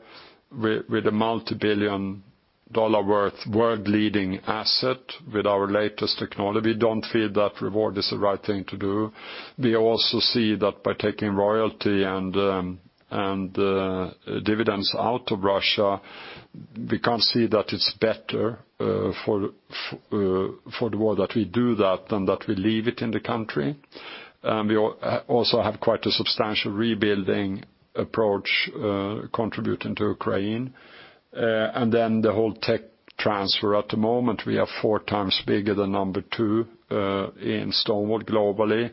with a multibillion-dollar worth world-leading asset with our latest technology. We don't feel that reward is the right thing to do. We also see that by taking royalty and dividends out of Russia, we can't see that it's better for the world that we do that than that we leave it in the country. We also have quite a substantial rebuilding approach, contributing to Ukraine. The whole tech transfer. At the moment, we are 4x bigger than number two in stone wool globally.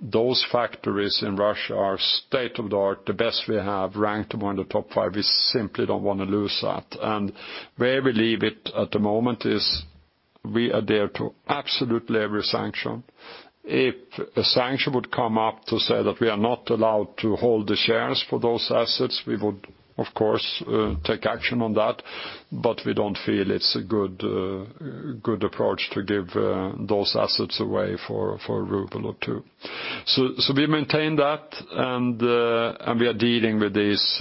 Those factories in Russia are state-of-the-art, the best we have, ranked among the top five. We simply don't want to lose that. Where we leave it at the moment is we adhere to absolutely every sanction. If a sanction would come up to say that we are not allowed to hold the shares for those assets, we would, of course, take action on that. We don't feel it's a good approach to give those assets away for a ruble or two. We maintain that and we are dealing with these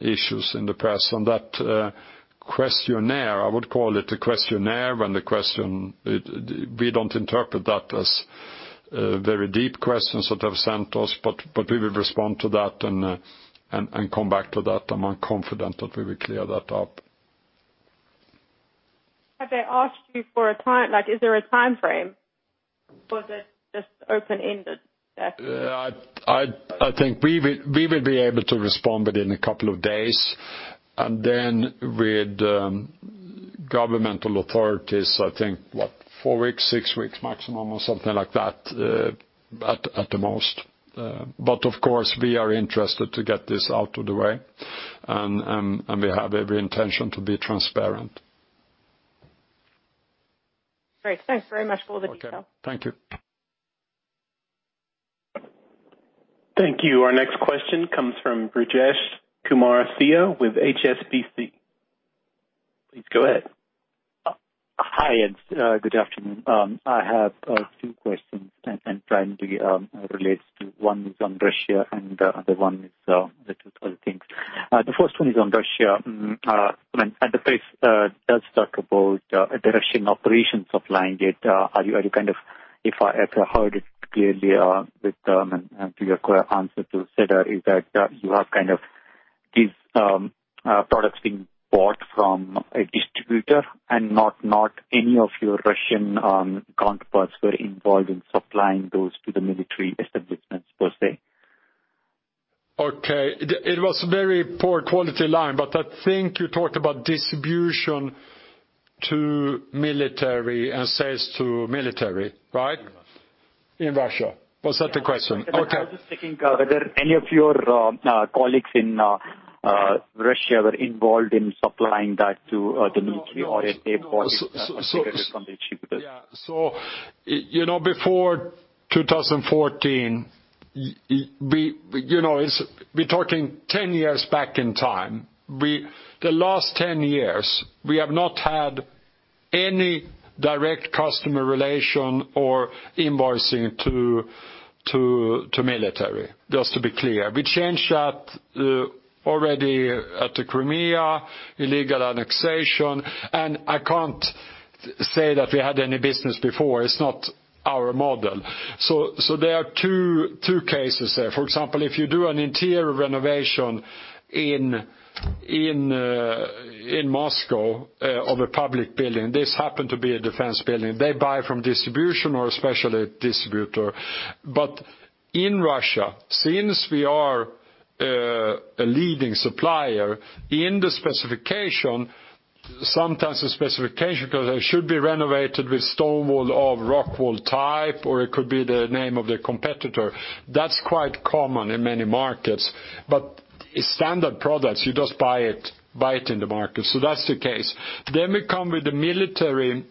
issues in the press and that questionnaire. I would call it a questionnaire when we don't interpret that as very deep questions that they have sent us. We will respond to that and come back to that. I'm confident that we will clear that up. Have they asked you, like, is there a timeframe or is it just open-ended? I think we will be able to respond within a couple of days. Then with governmental authorities, I think, what? Four weeks, six weeks maximum or something like that, at the most. Of course we are interested to get this out of the way and we have every intention to be transparent. Great. Thanks very much for all the detail. Okay. Thank you. Thank you. Our next question comes from Brijesh Kumar Siya with HSBC. Please go ahead. Hi, good afternoon. I have two questions and primarily relates to one is on Russia and the other one is little other things. The first one is on Russia. When at the face does talk about Russian operations of, [inaudible] are you kind of, if I heard it clearly, with and to your clear answer to say that is that you have kind of these products being bought from a distributor and not any of your Russian counterparts were involved in supplying those to the military establishments per se? Okay. It was very poor quality line, but I think you talked about distribution to military and sales to military, right? Yes. In Russia. Was that the question? Okay. I was just thinking whether any of your colleagues in Russia were involved in supplying that to the military or if they bought it from the distributor? Yeah. You know, before 2014, we, you know, we're talking 10 years back in time. The last 10 years, we have not had any direct customer relation or invoicing to military, just to be clear. We changed that already at the Crimea illegal annexation. I can't say that we had any business before. It's not our model. There are two cases there. For example, if you do an interior renovation in Moscow of a public building, this happened to be a defense building. They buy from distribution or a special distributor. In Russia, since we are a leading supplier in the specification, sometimes the specification goes, should be renovated with stone wool or rock wool type, or it could be the name of their competitor. That's quite common in many markets. Standard products, you just buy it in the market. That's the case. We come with the military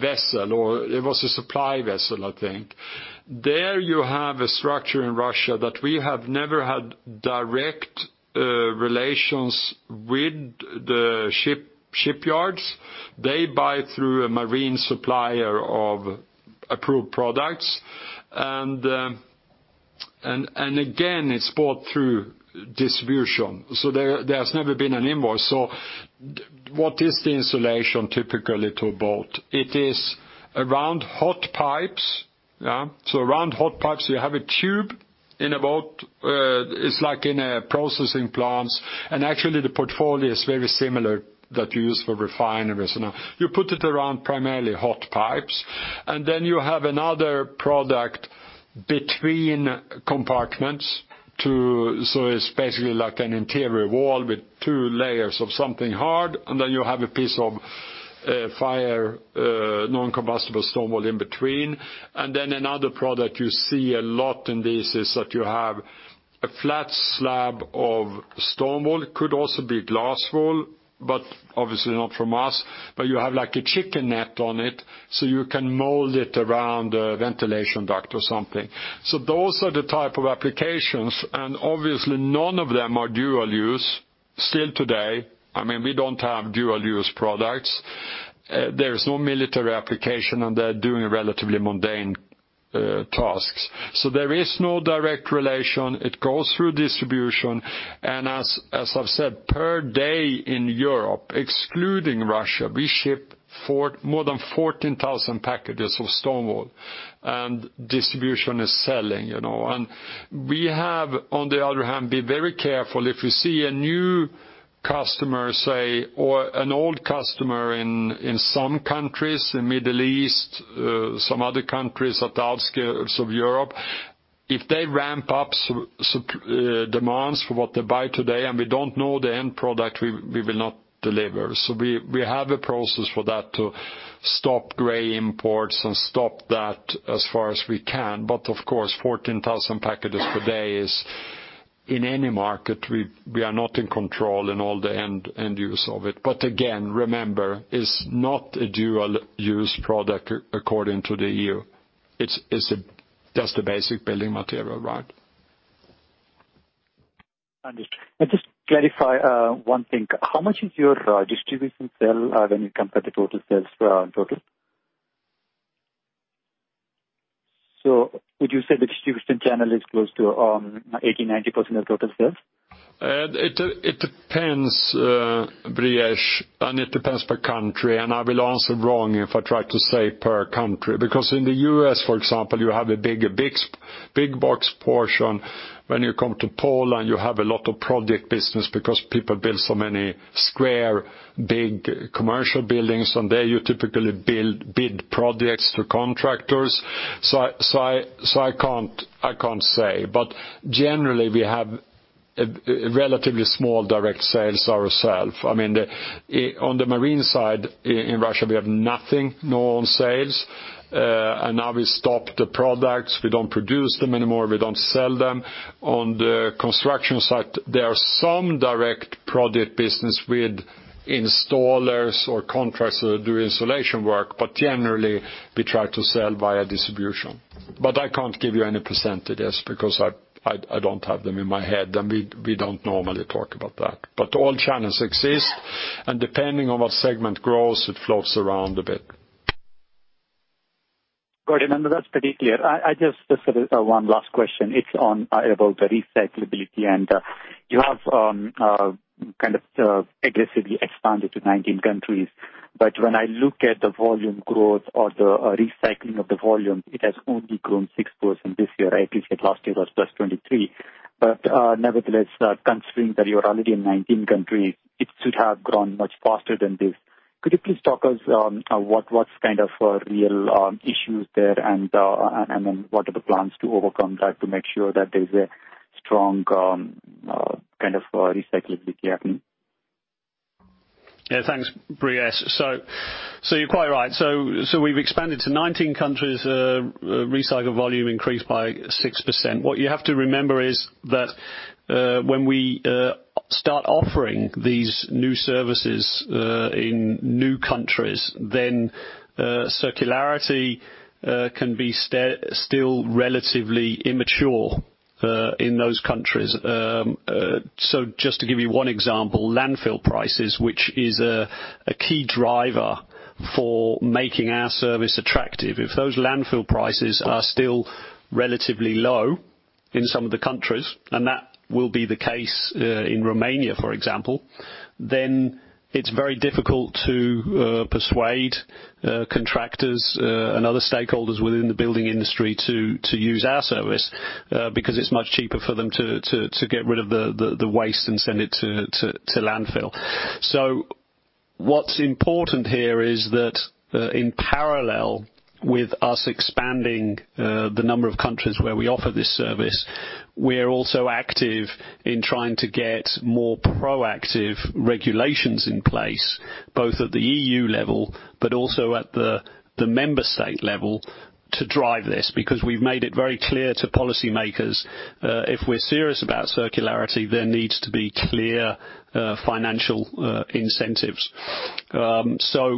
vessel, or it was a supply vessel, I think. There you have a structure in Russia that we have never had direct relations with the ship-shipyards. They buy through a marine supplier of approved products. And again, it's bought through distribution. There has never been an invoice. What is the insulation typically to a boat? It is around hot pipes. Yeah. Around hot pipes, you have a tube in a boat. It's like in a processing plants. Actually the portfolio is very similar that you use for refineries. You put it around primarily hot pipes, and then you have another product between compartments. It's basically like an interior wall with two layers of something hard, and then you have a piece of fire non-combustible stone wool in between. Another product you see a lot in this is that you have a flat slab of stone wool. It could also be glass wool, obviously not from us. You have like a chicken net on it, so you can mold it around a ventilation duct or something. Those are the type of applications, obviously none of them are dual-use still today. I mean, we don't have dual-use products. There is no military application, they're doing relatively mundane tasks. There is no direct relation. It goes through distribution. As I've said, per day in Europe, excluding Russia, we ship more than 14,000 packages of stone wool and distribution is selling, you know. We have, on the other hand, been very careful. If we see a new customer, say, or an old customer in some countries, in Middle East, some other countries at the outskirts of Europe, if they ramp up demands for what they buy today and we don't know the end product, we will not deliver. We have a process for that to stop gray imports and stop that as far as we can. Of course, 14,000 packages per day is in any market, we are not in control in all the end use of it. Again, remember, it's not a dual-use product according to the EU. It's a just a basic building material, right? Understood. I just clarify one thing. How much is your distribution sale when you compare the total sales in total? Would you say the distribution channel is close to 80%-90% of total sales? It depends, Brijesh. It depends per country. I will answer wrong if I try to say per country. In the US, for example, you have a bigger big box portion. When you come to Poland, you have a lot of project business because people build so many square, big commercial buildings. There you typically bid projects to contractors. I can't say. Generally, we have a relatively small direct sales ourself. I mean, on the marine side in Russia, we have nothing, no sales. Now we stopped the products. We don't produce them anymore. We don't sell them. On the construction site, there are some direct project business with installers or contractors that do installation work. Generally, we try to sell via distribution. I can't give you any percentages because I don't have them in my head, and we don't normally talk about that. All channels exist, and depending on what segment grows, it flows around a bit. Got it. No, that's pretty clear. I just sort of one last question. It's on about the recyclability. you have kind of aggressively expanded to 19 countries. when I look at the volume growth or the recycling of the volume, it has only grown 6% this year. I think that last year was +23. nevertheless, considering that you're already in 19 countries, it should have grown much faster than this. Could you please talk us on what's kind of real issues there, and then what are the plans to overcome that to make sure that there's a strong kind of recyclability happen? Yeah, thanks, Brijesh. You're quite right. We've expanded to 19 countries. Recycle volume increased by 6%. What you have to remember is that when we start offering these new services in new countries, then circularity can be still relatively immature in those countries. Just to give you one example, landfill prices, which is a key driver for making our service attractive. If those landfill prices are still relatively low in some of the countries, and that will be the case in Romania, for example, then it's very difficult to persuade contractors and other stakeholders within the building industry to use our service because it's much cheaper for them to get rid of the waste and send it to landfill. What's important here is that, in parallel with us expanding, the number of countries where we offer this service, we're also active in trying to get more proactive regulations in place, both at the EU level, but also at the member state level to drive this. We've made it very clear to policymakers, if we're serious about circularity, there needs to be clear financial incentives. That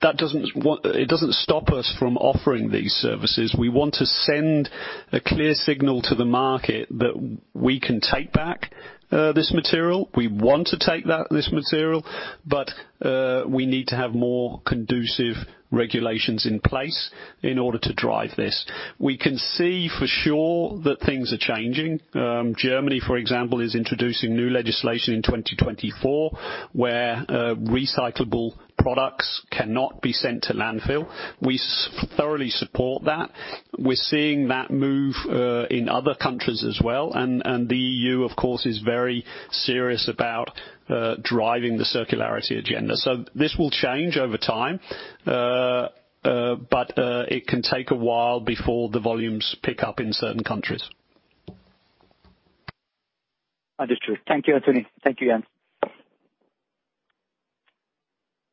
doesn't stop us from offering these services. We want to send a clear signal to the market that we can take back this material. We want to take this material, but we need to have more conducive regulations in place in order to drive this. We can see for sure that things are changing. Germany, for example, is introducing new legislation in 2024, where recyclable products cannot be sent to landfill. We thoroughly support that. We're seeing that move in other countries as well. The EU, of course, is very serious about driving the circularity agenda. This will change over time. It can take a while before the volumes pick up in certain countries. Understood. Thank you, Anthony. Thank you, Jen.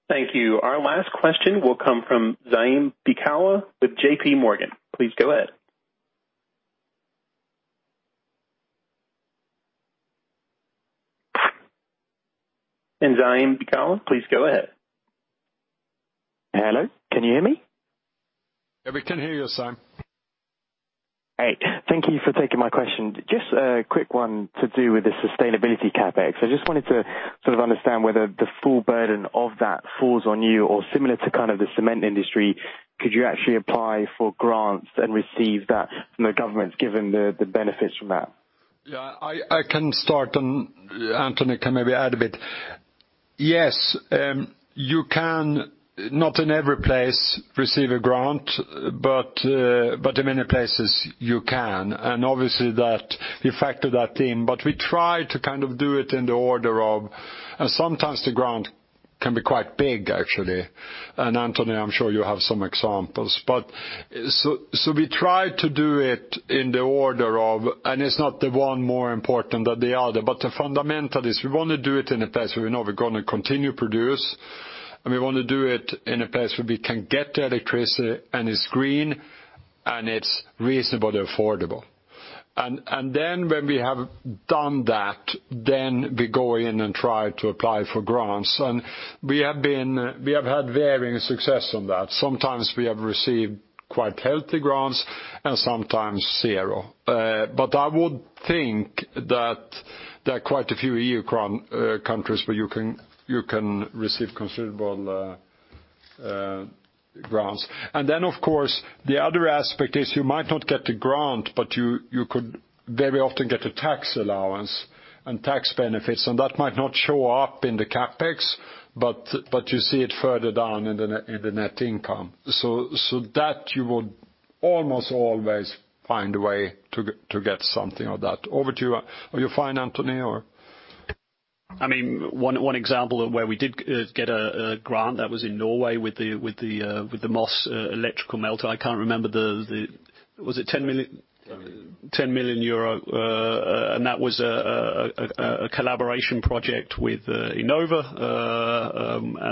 Thank you. Our last question will come from Zaim Beekawa with JP Morgan. Please go ahead. Zaim Beekawa, please go ahead. Hello, can you hear me? Yeah, we can hear you, Zaim. Great. Thank you for taking my question. Just a quick one to do with the sustainability CapEx. I just wanted to sort of understand whether the full burden of that falls on you or similar to kind of the cement industry, could you actually apply for grants and receive that from the government given the benefits from that? Yeah, I can start and Anthony can maybe add a bit. Yes, you can, not in every place, receive a grant, but in many places you can. Obviously that we factor that in. We try to kind of do it in the order of. Sometimes the grant can be quite big, actually. Anthony, I'm sure you have some examples. So we try to do it in the order of, and it's not the one more important than the other, but the fundamental is we want to do it in a place where we know we're going to continue to produce, and we want to do it in a place where we can get the electricity, and it's green, and it's reasonably affordable. Then when we have done that, then we go in and try to apply for grants. We have had varying success on that. Sometimes we have received quite healthy grants and sometimes zero. I would think There are quite a few EU countries where you can receive considerable grants. Of course, the other aspect is you might not get the grant, but you could very often get a tax allowance and tax benefits, and that might not show up in the CapEx, but you see it further down in the net income. That you would almost always find a way to get something of that. Over to you. Are you fine, Anthony, or? I mean, one example of where we did get a grant that was in Norway with the Moss electric melter. Was it 10 million, 10 million EUR? That was a collaboration project with Enova.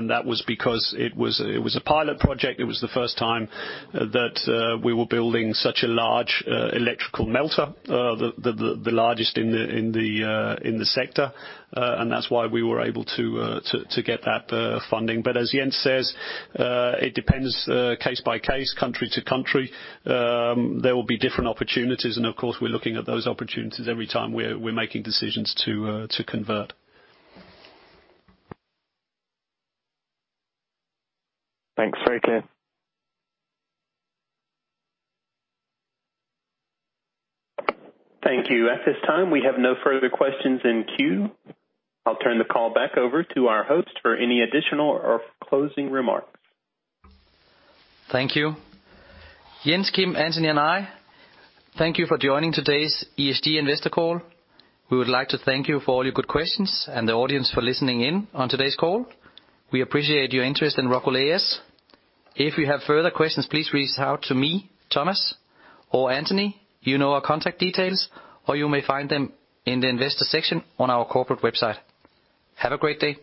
That was because it was a pilot project. It was the first time that we were building such a large electric melter, the largest in the sector. That's why we were able to get that funding. As Jens says, it depends case by case, country to country. There will be different opportunities and of course, we're looking at those opportunities every time we're making decisions to convert. Thanks. Very clear. Thank you. At this time, we have no further questions in queue. I'll turn the call back over to our host for any additional or closing remarks. Thank you. Jens, Kim, Anthony, and I thank you for joining today's ESG investor call. We would like to thank you for all your good questions and the audience for listening in on today's call. We appreciate your interest in ROCKWOOL A/S. If you have further questions, please reach out to me, Thomas, or Anthony. You know our contact details, or you may find them in the investor section on our corporate website. Have a great day.